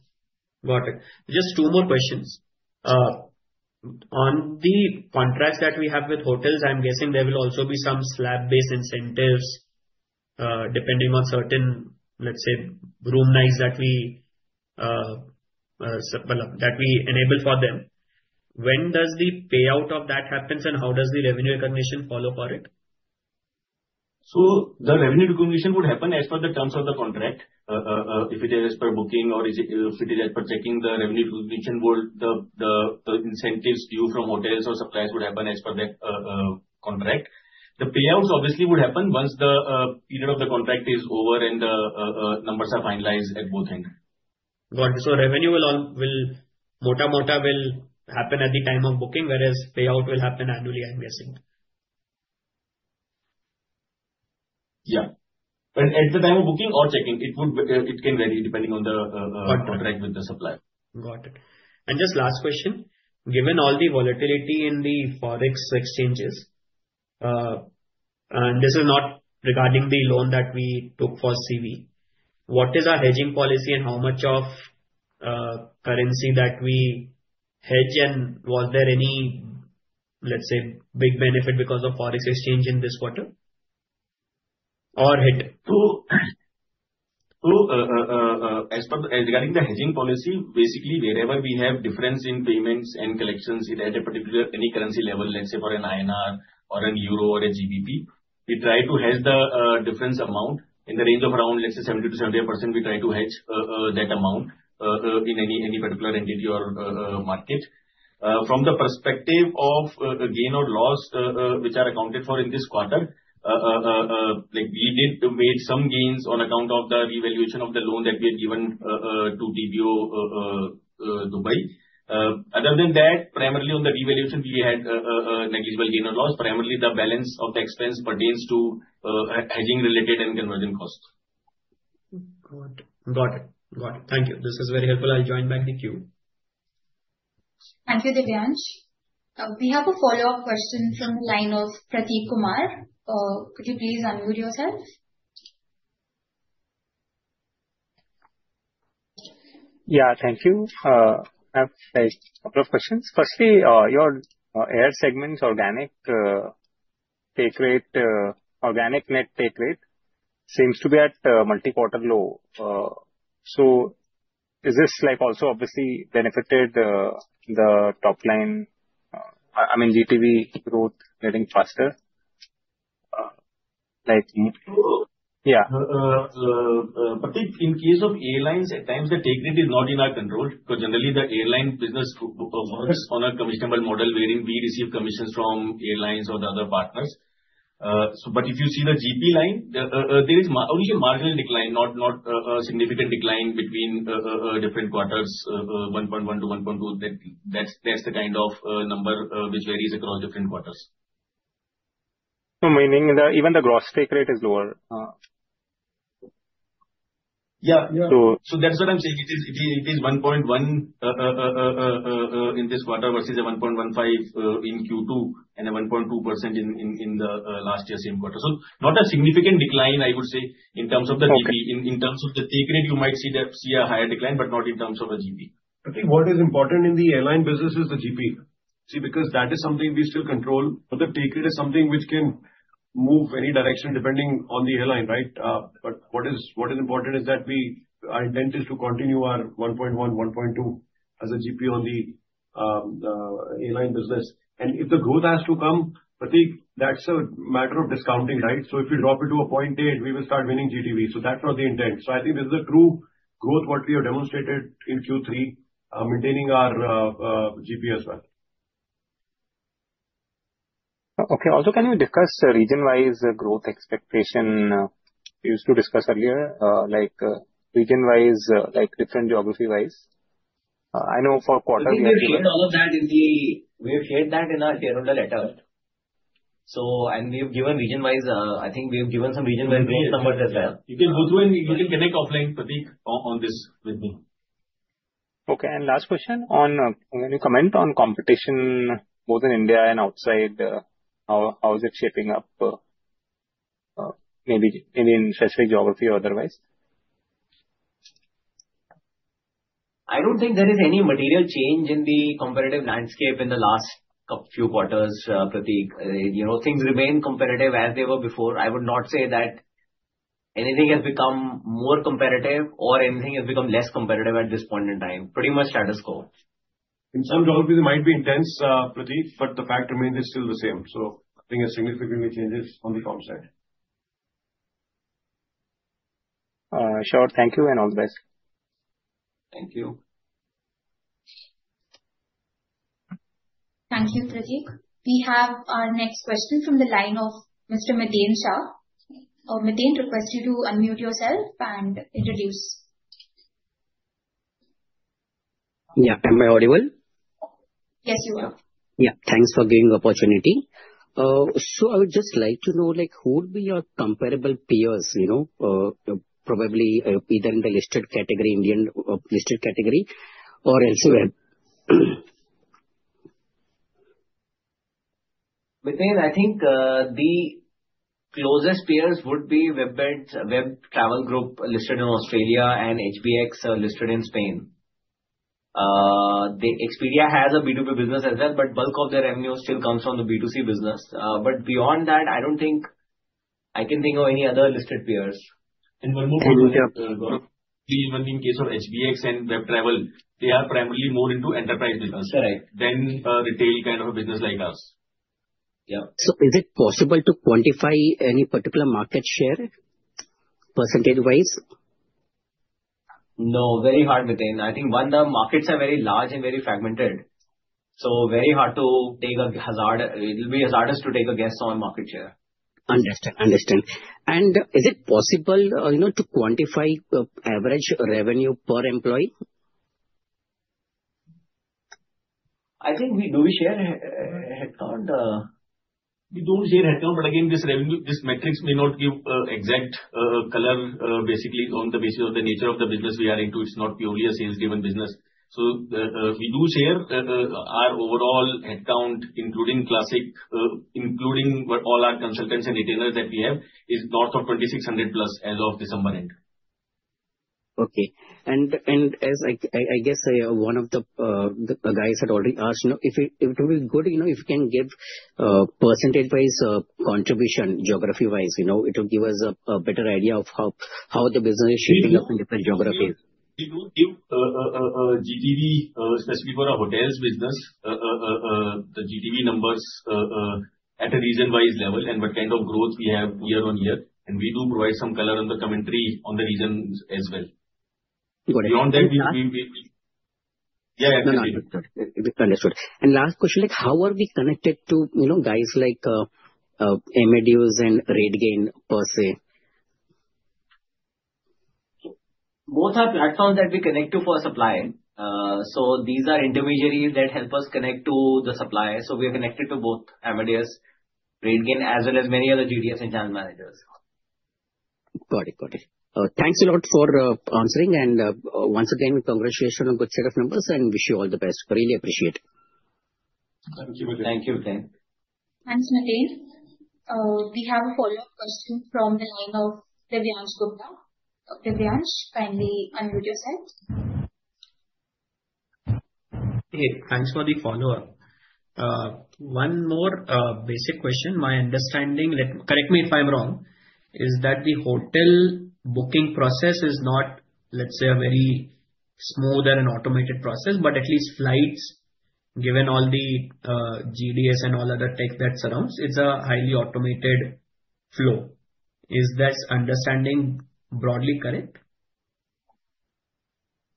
Got it. Just two more questions. On the contracts that we have with hotels, I'm guessing there will also be some slab-based incentives, depending on certain, let's say, room nights that we enable for them. When does the payout of that happens, and how does the revenue recognition follow for it? The revenue recognition would happen as per the terms of the contract. If it is as per booking or is it, if it is as per check-in, the revenue recognition would, the incentives due from hotels or suppliers would happen as per the contract. The payouts obviously would happen once the period of the contract is over and the numbers are finalized at both ends. Got it. So revenue will mota mota happen at the time of booking, whereas payout will happen annually, I'm guessing. Yeah. But at the time of booking or check-in, it would, it can vary depending on the, Got it. -contract with the supplier. Got it. And just last question. Given all the volatility in the Forex exchanges, and this is not regarding the loan that we took for CV, what is our hedging policy and how much of currency that we hedge? And was there any, let's say, big benefit because of Forex exchange in this quarter or hit? Regarding the hedging policy, basically wherever we have difference in payments and collections at a particular, any currency level, let's say for an INR or an Euro or a GBP, we try to hedge the difference amount in the range of around, let's say, 70%-70%, we try to hedge that amount in any particular entity or market. From the perspective of the gain or loss which are accounted for in this quarter, like, we did make some gains on account of the revaluation of the loan that we had given to TBO Dubai. Other than that, primarily on the revaluation, we had a negligible gain or loss. Primarily, the balance of the expense pertains to hedging related and conversion costs. Got it. Got it. Got it. Thank you. This is very helpful. I'll join back the queue. Thank you, Devansh. We have a follow-up question from the line of Pratik Kumar. Could you please unmute yourself? Yeah, thank you. I have a couple of questions. Firstly, your air segment's organic take rate, organic net take rate, seems to be at a multi-quarter low. So is this like also obviously benefited the top line, I mean, GTV growth getting faster?... Like, yeah. Pratik, in case of airlines, at times the take rate is not in our control, because generally the airline business group works on a commissionable model wherein we receive commissions from airlines or the other partners. But if you see the GP line, there is only a marginal decline, not a significant decline between different quarters, 1.1-1.2. That's the kind of number which varies across different quarters. So, meaning even the gross take rate is lower? Yeah, yeah. So- So that's what I'm saying. It is 1.1% in this quarter versus a 1.15% in Q2, and a 1.2% in last year's same quarter. So not a significant decline, I would say, in terms of the GP. Okay. In terms of the take rate, you might see a higher decline, but not in terms of the GP. I think what is important in the airline business is the GP. See, because that is something we still control. But the take rate is something which can move any direction, depending on the airline, right? But what is, what is important is that we... Our intent is to continue our 1.1, 1.2, as a GP on the airline business. And if the growth has to come, Pratik, that's a matter of discounting, right? So if we drop it to a point eight, we will start winning GTV. So that's not the intent. So I think this is a true growth, what we have demonstrated in Q3, maintaining our GP as well. Okay. Also, can you discuss the region-wise growth expectation? You used to discuss earlier, like, region-wise, like different geography-wise. I know for quarter one- I think we have shared all of that in the annual letter. We have shared that in our annual letter. So, and we've given region-wise, I think we have given some region-wise numbers as well. You can go through and you can connect offline, Pratik, on this with me. Okay, and last question on, can you comment on competition, both in India and outside, how, how is it shaping up, maybe in the intrinsic geography or otherwise? I don't think there is any material change in the competitive landscape in the last few quarters, Pratik. You know, things remain competitive as they were before. I would not say that anything has become more competitive or anything has become less competitive at this point in time. Pretty much status quo. In some geographies it might be intense, Pratik, but the fact remains it's still the same, so nothing has significantly changed on the compset. Sure. Thank you and all the best. Thank you. Thank you, Pratik. We have our next question from the line of Mr. Mithun Shah. Mithun, request you to unmute yourself and introduce. Yeah. Am I audible? Yes, you are. Yeah. Thanks for giving the opportunity. So I would just like to know, like, who would be your comparable peers, you know, probably, either in the listed category, Indian, listed category or elsewhere? Mithun, I think, the closest peers would be WebBeds, Web Travel Group, listed in Australia and HBX, listed in Spain. The Expedia has a B2B business as well, but bulk of their revenue still comes from the B2C business. But beyond that, I don't think I can think of any other listed peers. One more thing, even in case of HBX and Web Travel, they are primarily more into enterprise business- Correct. than a retail kind of a business like us. Yeah. Is it possible to quantify any particular market share, percentage-wise? No, very hard, Mithun. I think, one, the markets are very large and very fragmented, so very hard to take a hazard, it'll be hazardous to take a guess on market share. Understand, understand. And is it possible, you know, to quantify the average revenue per employee? I think we do share a headcount. We do share headcount, but again, this revenue, this metrics may not give exact color basically on the basis of the nature of the business we are into. It's not purely a sales-driven business. So, we do share our overall headcount, including Classic, including what all our consultants and retailers that we have, is north of 2,600+ as of December end. Okay. As I guess, one of the guys had already asked, you know, if it will be good, you know, if you can give percentage-wise contribution, geography-wise, you know? It will give us a better idea of how the business is shaping up in different geographies. We do give GTV specifically for our hotels business the GTV numbers at a region-wise level, and what kind of growth we have year-over-year, and we do provide some color on the commentary on the regions as well. Got it. Beyond that, yeah. No, no, understood. Understood. And last question, like, how are we connected to, you know, guys like Amadeus and RateGain per se? Both are platforms that we connect to for supply. So these are intermediaries that help us connect to the suppliers. So we are connected to both Amadeus, RateGain, as well as many other GDS and channel managers. Got it, got it. Thanks a lot for answering. Once again, congratulations on good set of numbers, and wish you all the best. Really appreciate it. Thank you, Mithun. Thank you, Mithun. Thanks, Mithun. We have a follow-up question from the line of Devansh Gupta. Devansh, kindly unmute yourself. Hey, thanks for the follow-up. One more basic question. My understanding, correct me if I'm wrong, is that the hotel booking process is not, let's say, a very smoother and automated process, but at least flights given all the GDS and all other tech that surrounds, it's a highly automated flow. Is that understanding broadly correct?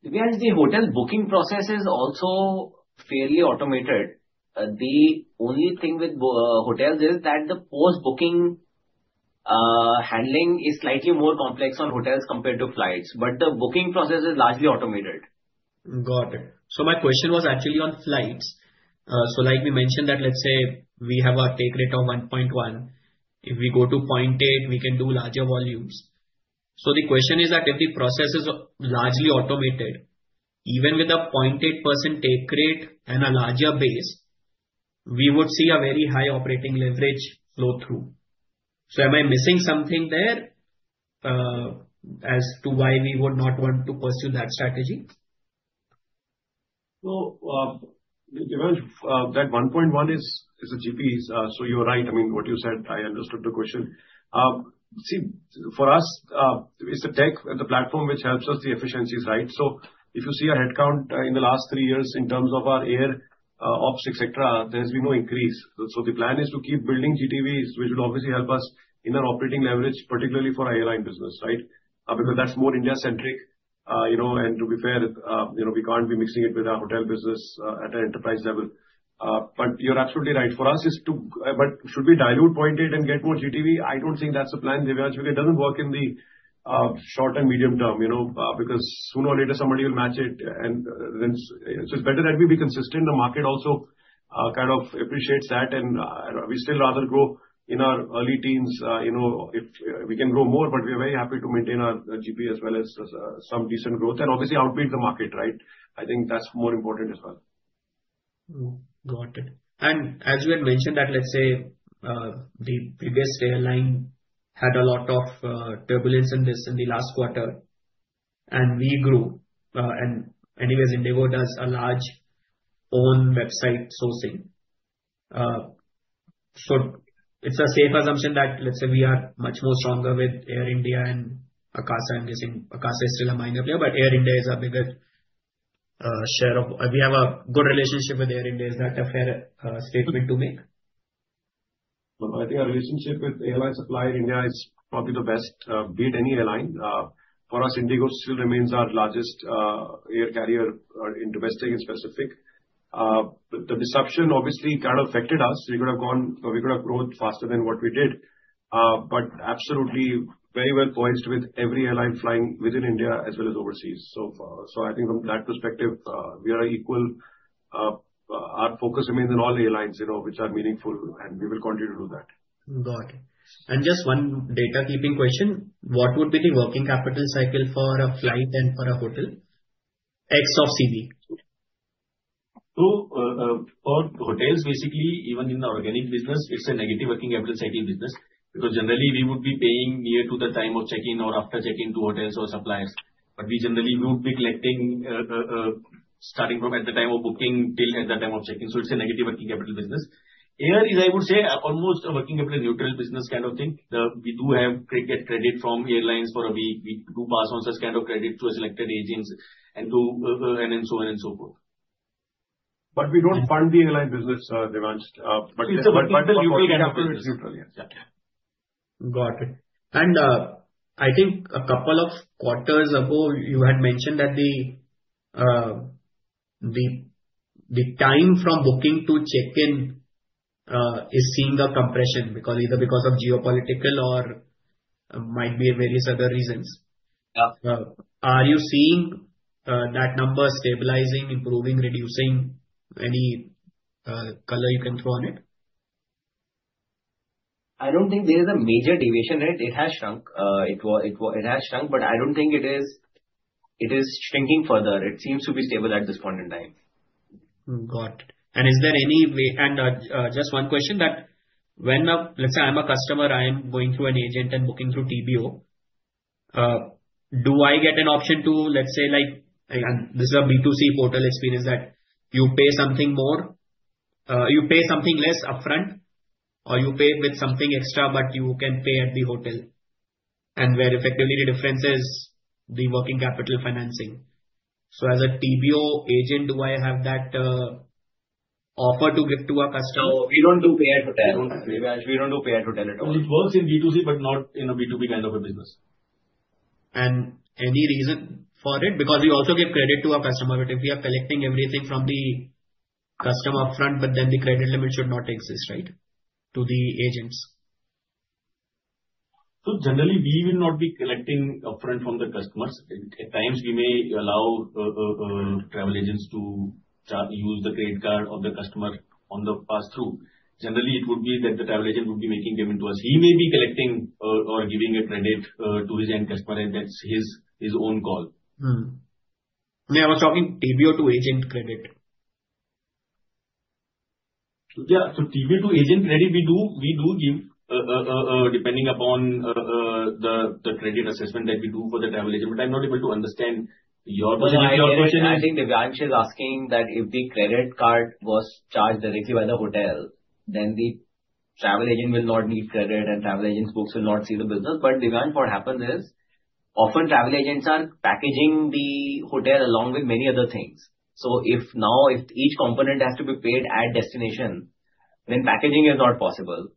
Yeah, the hotel booking process is also fairly automated. The only thing with hotels is that the post-booking handling is slightly more complex on hotels compared to flights, but the booking process is largely automated. Got it. So my question was actually on flights. So like we mentioned that, let's say we have a take rate of 1.1, if we go to 0.8, we can do larger volumes. So the question is that if the process is largely automated, even with a 0.8% take rate and a larger base, we would see a very high operating leverage flow through. So am I missing something there, as to why we would not want to pursue that strategy? Well, Devansh, that 1.1 is a GP. So you are right. I mean, what you said, I understood the question. See, for us, it's the tech and the platform which helps us the efficiencies, right? So if you see our headcount in the last three years in terms of our air ops, et cetera, there's been no increase. So the plan is to keep building GTVs, which will obviously help us in our operating leverage, particularly for our airline business, right? Because that's more India-centric. You know, and to be fair, you know, we can't be mixing it with our hotel business at an enterprise level. But you're absolutely right. For us, it's to... But should we dilute 0.8 and get more GTV? I don't think that's the plan, Devansh, because it doesn't work in the short and medium term, you know, because sooner or later somebody will match it, and then, so it's better that we be consistent. The market also kind of appreciates that, and we still rather grow in our early teens. You know, if we can grow more, but we are very happy to maintain our GP as well as some decent growth and obviously outpace the market, right? I think that's more important as well. Got it. And as you had mentioned that, let's say, the previous airline had a lot of turbulence in this in the last quarter, and we grew. And anyways, IndiGo does a large own website sourcing. So it's a safe assumption that, let's say, we are much more stronger with Air India and Akasa. I'm guessing Akasa is still a minor player, but Air India is a bigger share of. We have a good relationship with Air India. Is that a fair statement to make? I think our relationship with airline supplier Air India is probably the best, beat any airline. For us, IndiGo still remains our largest air carrier in domestic in specific. The disruption obviously kind of affected us. We could have gone, or we could have grown faster than what we did. But absolutely very well poised with every airline flying within India as well as overseas. So, so I think from that perspective, we are equal. Our focus remains on all the airlines, you know, which are meaningful, and we will continue to do that. Got it. Just one housekeeping question: What would be the Working Capital cycle for a flight and for a hotel, ex of CV? So, for hotels, basically, even in the organic business, it's a negative working capital cycling business. Because generally, we would be paying near to the time of check-in or after check-in to hotels or suppliers. But we generally would be collecting, starting from at the time of booking till at the time of check-in. So it's a negative working capital business. Air is, I would say, almost a working capital neutral business kind of thing. We do have credit, credit from airlines for a week. We do pass on such kind of credit to a selected agents and to, and so on and so forth. But we don't fund the airline business, Devansh, but- It's working capital neutral, yes. Got it. I think a couple of quarters ago, you had mentioned that the time from booking to check-in is seeing a compression, because either because of geopolitical or might be various other reasons. Yeah. Are you seeing that number stabilizing, improving, reducing? Any color you can throw on it? I don't think there is a major deviation in it. It has shrunk, but I don't think it is shrinking further. It seems to be stable at this point in time. Got it. And is there any way... And, just one question that when a, let's say I'm a customer, I'm going through an agent and booking through TBO, do I get an option to, let's say, like, this is a B2C portal experience, that you pay something more, you pay something less upfront, or you pay with something extra, but you can pay at the hotel, and where effectively the difference is the working capital financing. So as a TBO agent, do I have that, offer to give to a customer? No, we don't do pay at hotel. Devansh, we don't do pay at hotel at all. It works in B2C, but not in a B2B kind of a business. Any reason for it? Because we also give credit to our customer. But if we are collecting everything from the customer upfront, but then the credit limit should not exist, right, to the agents? So generally, we will not be collecting upfront from the customers. At times we may allow travel agents to charge using the credit card of the customer on the pass-through. Generally, it would be that the travel agent would be making payment to us. He may be collecting or giving a credit to his end customer, and that's his own call. Mm-hmm. Yeah, I was talking TBO to agent credit. Yeah, so TBO to agent credit, we do, we do give, depending upon, the, the credit assessment that we do for the travel agent. But I'm not able to understand your question- I think Devansh is asking that if the credit card was charged directly by the hotel, then the travel agent will not need credit, and travel agent folks will not see the business. But Devansh, what happened is often travel agents are packaging the hotel along with many other things. So if now, if each component has to be paid at destination, then packaging is not possible.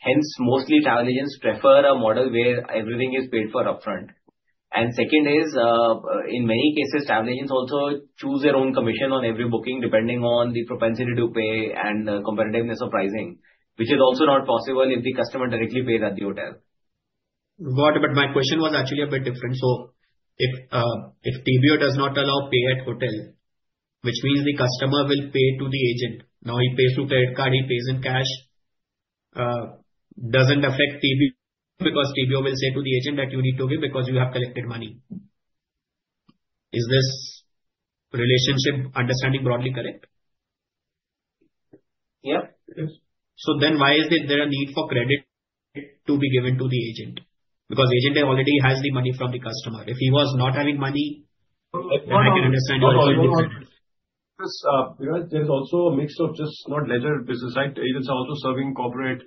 Hence, mostly travel agents prefer a model where everything is paid for upfront. And second is, in many cases, travel agents also choose their own commission on every booking, depending on the propensity to pay and the competitiveness of pricing, which is also not possible if the customer directly pays at the hotel. Got it. But my question was actually a bit different. So if TBO does not allow pay at hotel, which means the customer will pay to the agent. Now, he pays through credit card, he pays in cash, doesn't affect TBO, because TBO will say to the agent that you need to pay because you have collected money. Is this relationship understanding broadly correct? Yeah, it is. So then why is there a need for credit to be given to the agent? Because the agent already has the money from the customer. If he was not having money, then I can understand- Because, there's also a mix of just not leisure business, right? Agents are also serving corporate,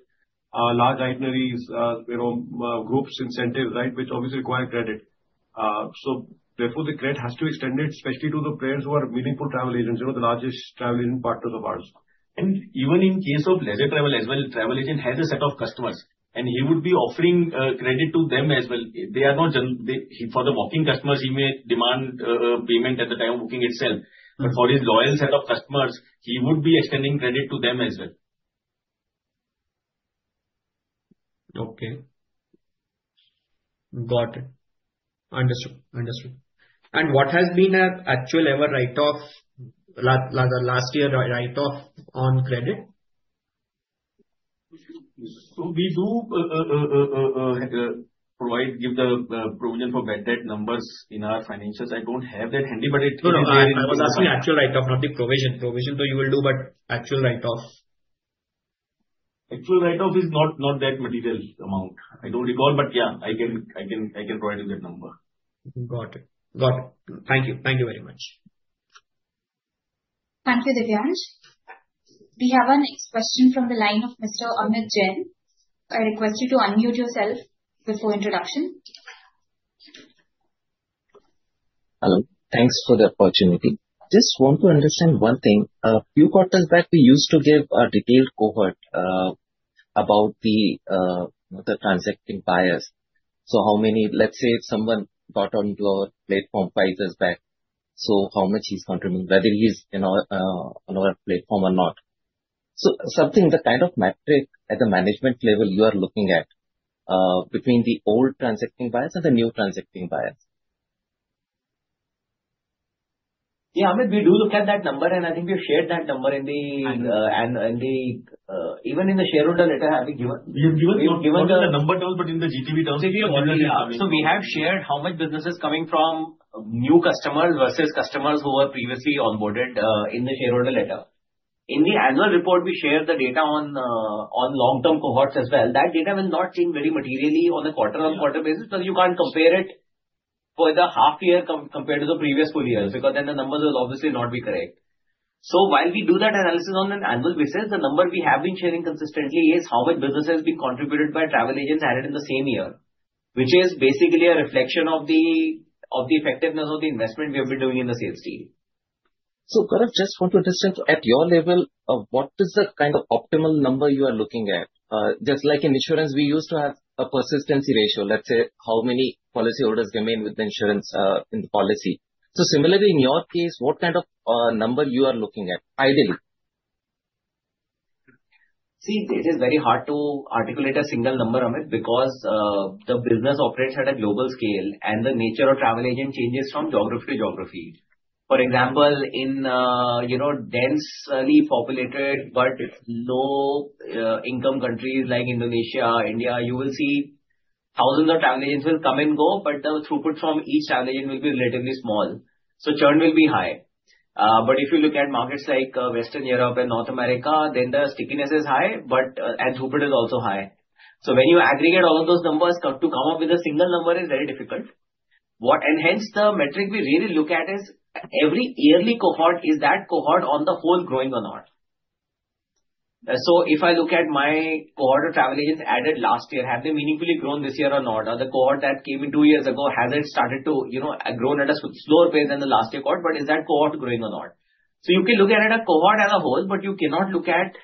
large itineraries, you know, groups incentives, right, which obviously require credit. So therefore, the credit has to extend it, especially to the players who are meaningful travel agents, you know, the largest travel agent part of the world. And even in case of leisure travel as well, travel agent has a set of customers, and he would be offering, credit to them as well. For the walking customers, he may demand, payment at the time of booking itself, but for his loyal set of customers, he would be extending credit to them as well. Okay. Got it. Understood. Understood. And what has been a actual ever write-off, last year write-off on credit? So we do provide the provision for bad debt numbers in our financials. I don't have that handy, but it- No, no, I was asking the actual write-off, not the provision. Provision, so you will do, but actual write-offs. Actual write-off is not that material amount. I don't recall, but yeah, I can provide you that number. Got it. Got it. Thank you. Thank you very much. Thank you, Devansh. We have our next question from the line of Mr. Amit Jain. I request you to unmute yourself before introduction. Hello. Thanks for the opportunity. Just want to understand one thing. A few quarters back, we used to give a detailed cohort about the transacting buyers. So how many... Let's say, if someone got onto your platform five years back, so how much he's contributing, whether he's in our on our platform or not? So something, the kind of metric at the management level you are looking at between the old transacting buyers and the new transacting buyers. Yeah, Amit, we do look at that number, and I think we've shared that number in the annual, even in the shareholder letter, have we given? We've given not in the number terms, but in the GTV terms. So we have shared how much business is coming from new customers versus customers who were previously onboarded in the shareholder letter. In the annual report, we shared the data on long-term cohorts as well. That data will not change very materially on a quarter-on-quarter basis, because you can't compare it for the half year compared to the previous full years, because then the numbers will obviously not be correct. So while we do that analysis on an annual basis, the number we have been sharing consistently is how much business has been contributed by travel agents added in the same year, which is basically a reflection of the effectiveness of the investment we have been doing in the sales team. So Gaurav, just want to understand, at your level, what is the kind of optimal number you are looking at? Just like in insurance, we used to have a persistency ratio, let's say, how many policyholders remain with the insurance, in the policy. So similarly, in your case, what kind of, number you are looking at, ideally? See, it is very hard to articulate a single number, Amit, because the business operates at a global scale, and the nature of travel agent changes from geography to geography. For example, in you know, densely populated but low income countries like Indonesia, India, you will see thousands of travel agents will come and go, but the throughput from each travel agent will be relatively small, so churn will be high. But if you look at markets like Western Europe and North America, then the stickiness is high, but and throughput is also high. So when you aggregate all of those numbers, to come up with a single number is very difficult. And hence, the metric we really look at is every yearly cohort, is that cohort on the whole growing or not? So if I look at my cohort of travel agents added last year, have they meaningfully grown this year or not? Or the cohort that came in two years ago, has it started to, you know, grown at a slower pace than the last cohort, but is that cohort growing or not? So you can look at it a cohort as a whole, but you cannot look at,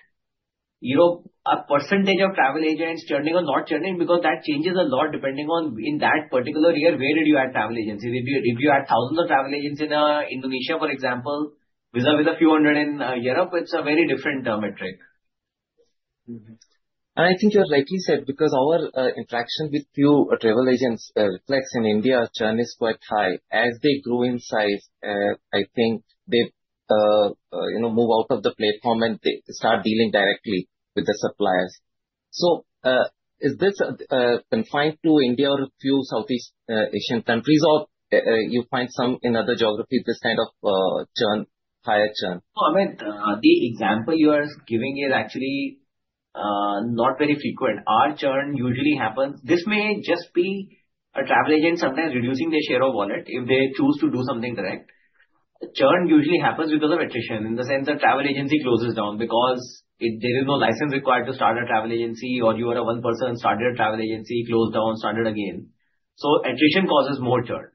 you know, a percentage of travel agents churning or not churning, because that changes a lot depending on, in that particular year, where did you add travel agents? If you add thousands of travel agents in Indonesia, for example, with a few hundred in Europe, it's a very different metric. Mm-hmm. And I think you have rightly said, because our interaction with few travel agents reflects in India, churn is quite high. As they grow in size, I think they, you know, move out of the platform and they start dealing directly with the suppliers. So, is this confined to India or a few Southeast Asian countries, or you find some in other geographies, this kind of churn, higher churn? No, Amit, the example you are giving is actually not very frequent. Our churn usually happens. This may just be a travel agent sometimes reducing their share of wallet if they choose to do something correct... The churn usually happens because of attrition, in the sense that travel agency closes down because it, there is no license required to start a travel agency, or you are a one person, started a travel agency, closed down, started again. So attrition causes more churn.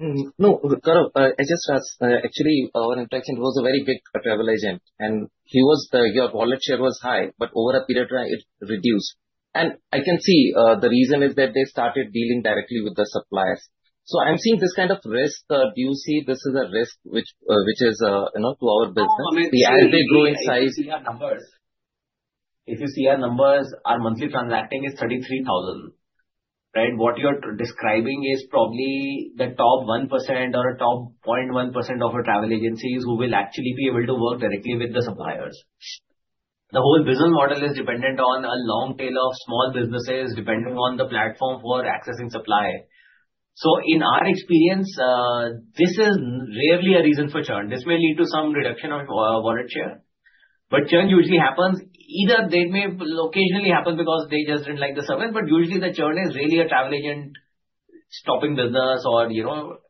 Mm. No, Gaurav, I just asked, actually, our interaction was a very big travel agent, and he was the—your wallet share was high, but over a period of time, it reduced. And I can see, the reason is that they started dealing directly with the suppliers. So I'm seeing this kind of risk. Do you see this as a risk which, which is, you know, to our business? No, I mean- As they grow in size. If you see our numbers, if you see our numbers, our monthly transacting is 33,000, right? What you're describing is probably the top 1% or top 0.1% of our travel agencies who will actually be able to work directly with the suppliers. The whole business model is dependent on a long tail of small businesses depending on the platform for accessing supply. So in our experience, this is rarely a reason for churn. This may lead to some reduction of wallet share, but churn usually happens. Either they may occasionally happen because they just didn't like the service, but usually the churn is really a travel agent stopping business or, you know,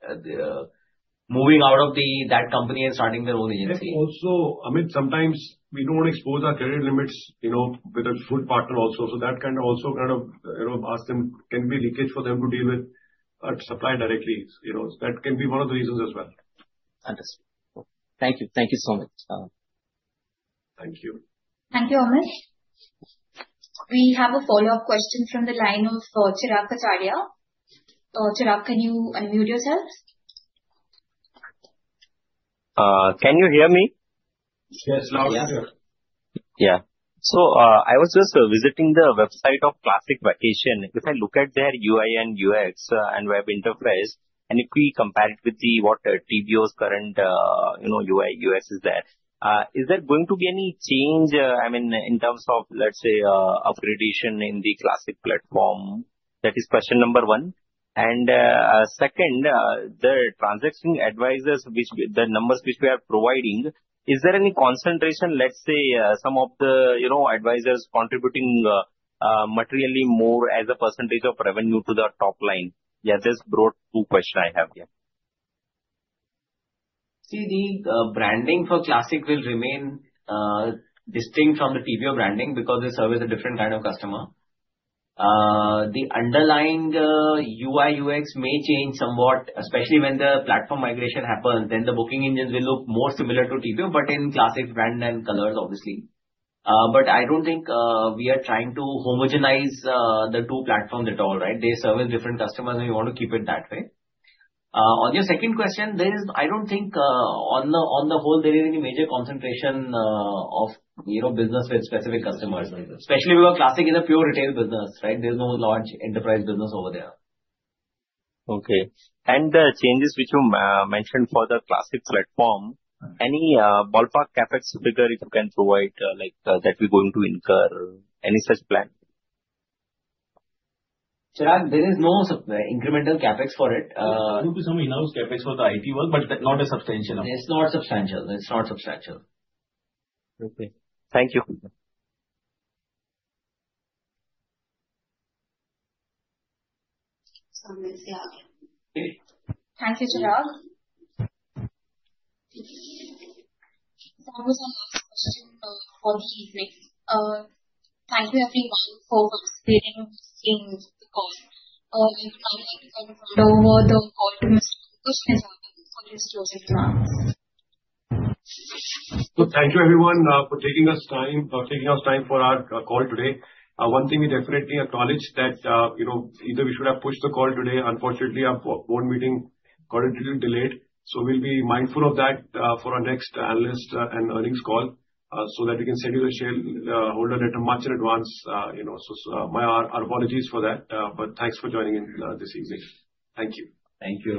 moving out of the, that company and starting their own agency. And also, I mean, sometimes we don't expose our credit limits, you know, with a full partner also. So that can also kind of, you know, ask them, can be leakage for them to deal with, supply directly. You know, that can be one of the reasons as well. Understood. Thank you. Thank you so much. Thank you. Thank you, Amit. We have a follow-up question from the line of, Chirag Kachhadiya. Chirag, can you unmute yourself? Can you hear me? Yes, loud and clear. Yeah. So, I was just visiting the website of Classic Vacations. If I look at their UI and UX, and web interface, and if we compare it with the, what, TBO's current, you know, UI, UX is there, is there going to be any change, I mean, in terms of, let's say, upgradation in the Classic platform? That is question number one. And, second, the transaction advisors, which we, the numbers which we are providing, is there any concentration, let's say, some of the, you know, advisors contributing, materially more as a percentage of revenue to the top line? Yeah, just broad two question I have here. See, the branding for Classic will remain distinct from the TBO branding because they serve as a different kind of customer. The underlying UI, UX may change somewhat, especially when the platform migration happens, then the booking engines will look more similar to TBO, but in Classic brand and colors, obviously. But I don't think we are trying to homogenize the two platforms at all, right? They service different customers, and we want to keep it that way. On your second question, there is... I don't think, on the whole, there is any major concentration of, you know, business with specific customers. Especially because Classic is a pure retail business, right? There's no large enterprise business over there. Okay. And the changes which you mentioned for the Classic platform- Mm. Any ballpark CapEx figure, if you can provide, like, that we're going to incur, any such plan? Chirag, there is no incremental CapEx for it. There could be some enhanced CapEx for the IT work, but not a substantial amount. It's not substantial. It's not substantial. Okay. Thank you. So let's see. Great. Thank you, Chirag. That was our last question for the evening. Thank you everyone for participating in the call. I now hand over the call to Mr. Ankush Nijhawan for his closing remarks. Well, thank you everyone, for taking the time for our call today. One thing we definitely acknowledge that, you know, either we should have pushed the call today. Unfortunately, our board meeting got a little delayed, so we'll be mindful of that, for our next analyst and earnings call, so that we can send you the shareholder letter much in advance, you know, so our apologies for that, but thanks for joining in this evening. Thank you. Thank you.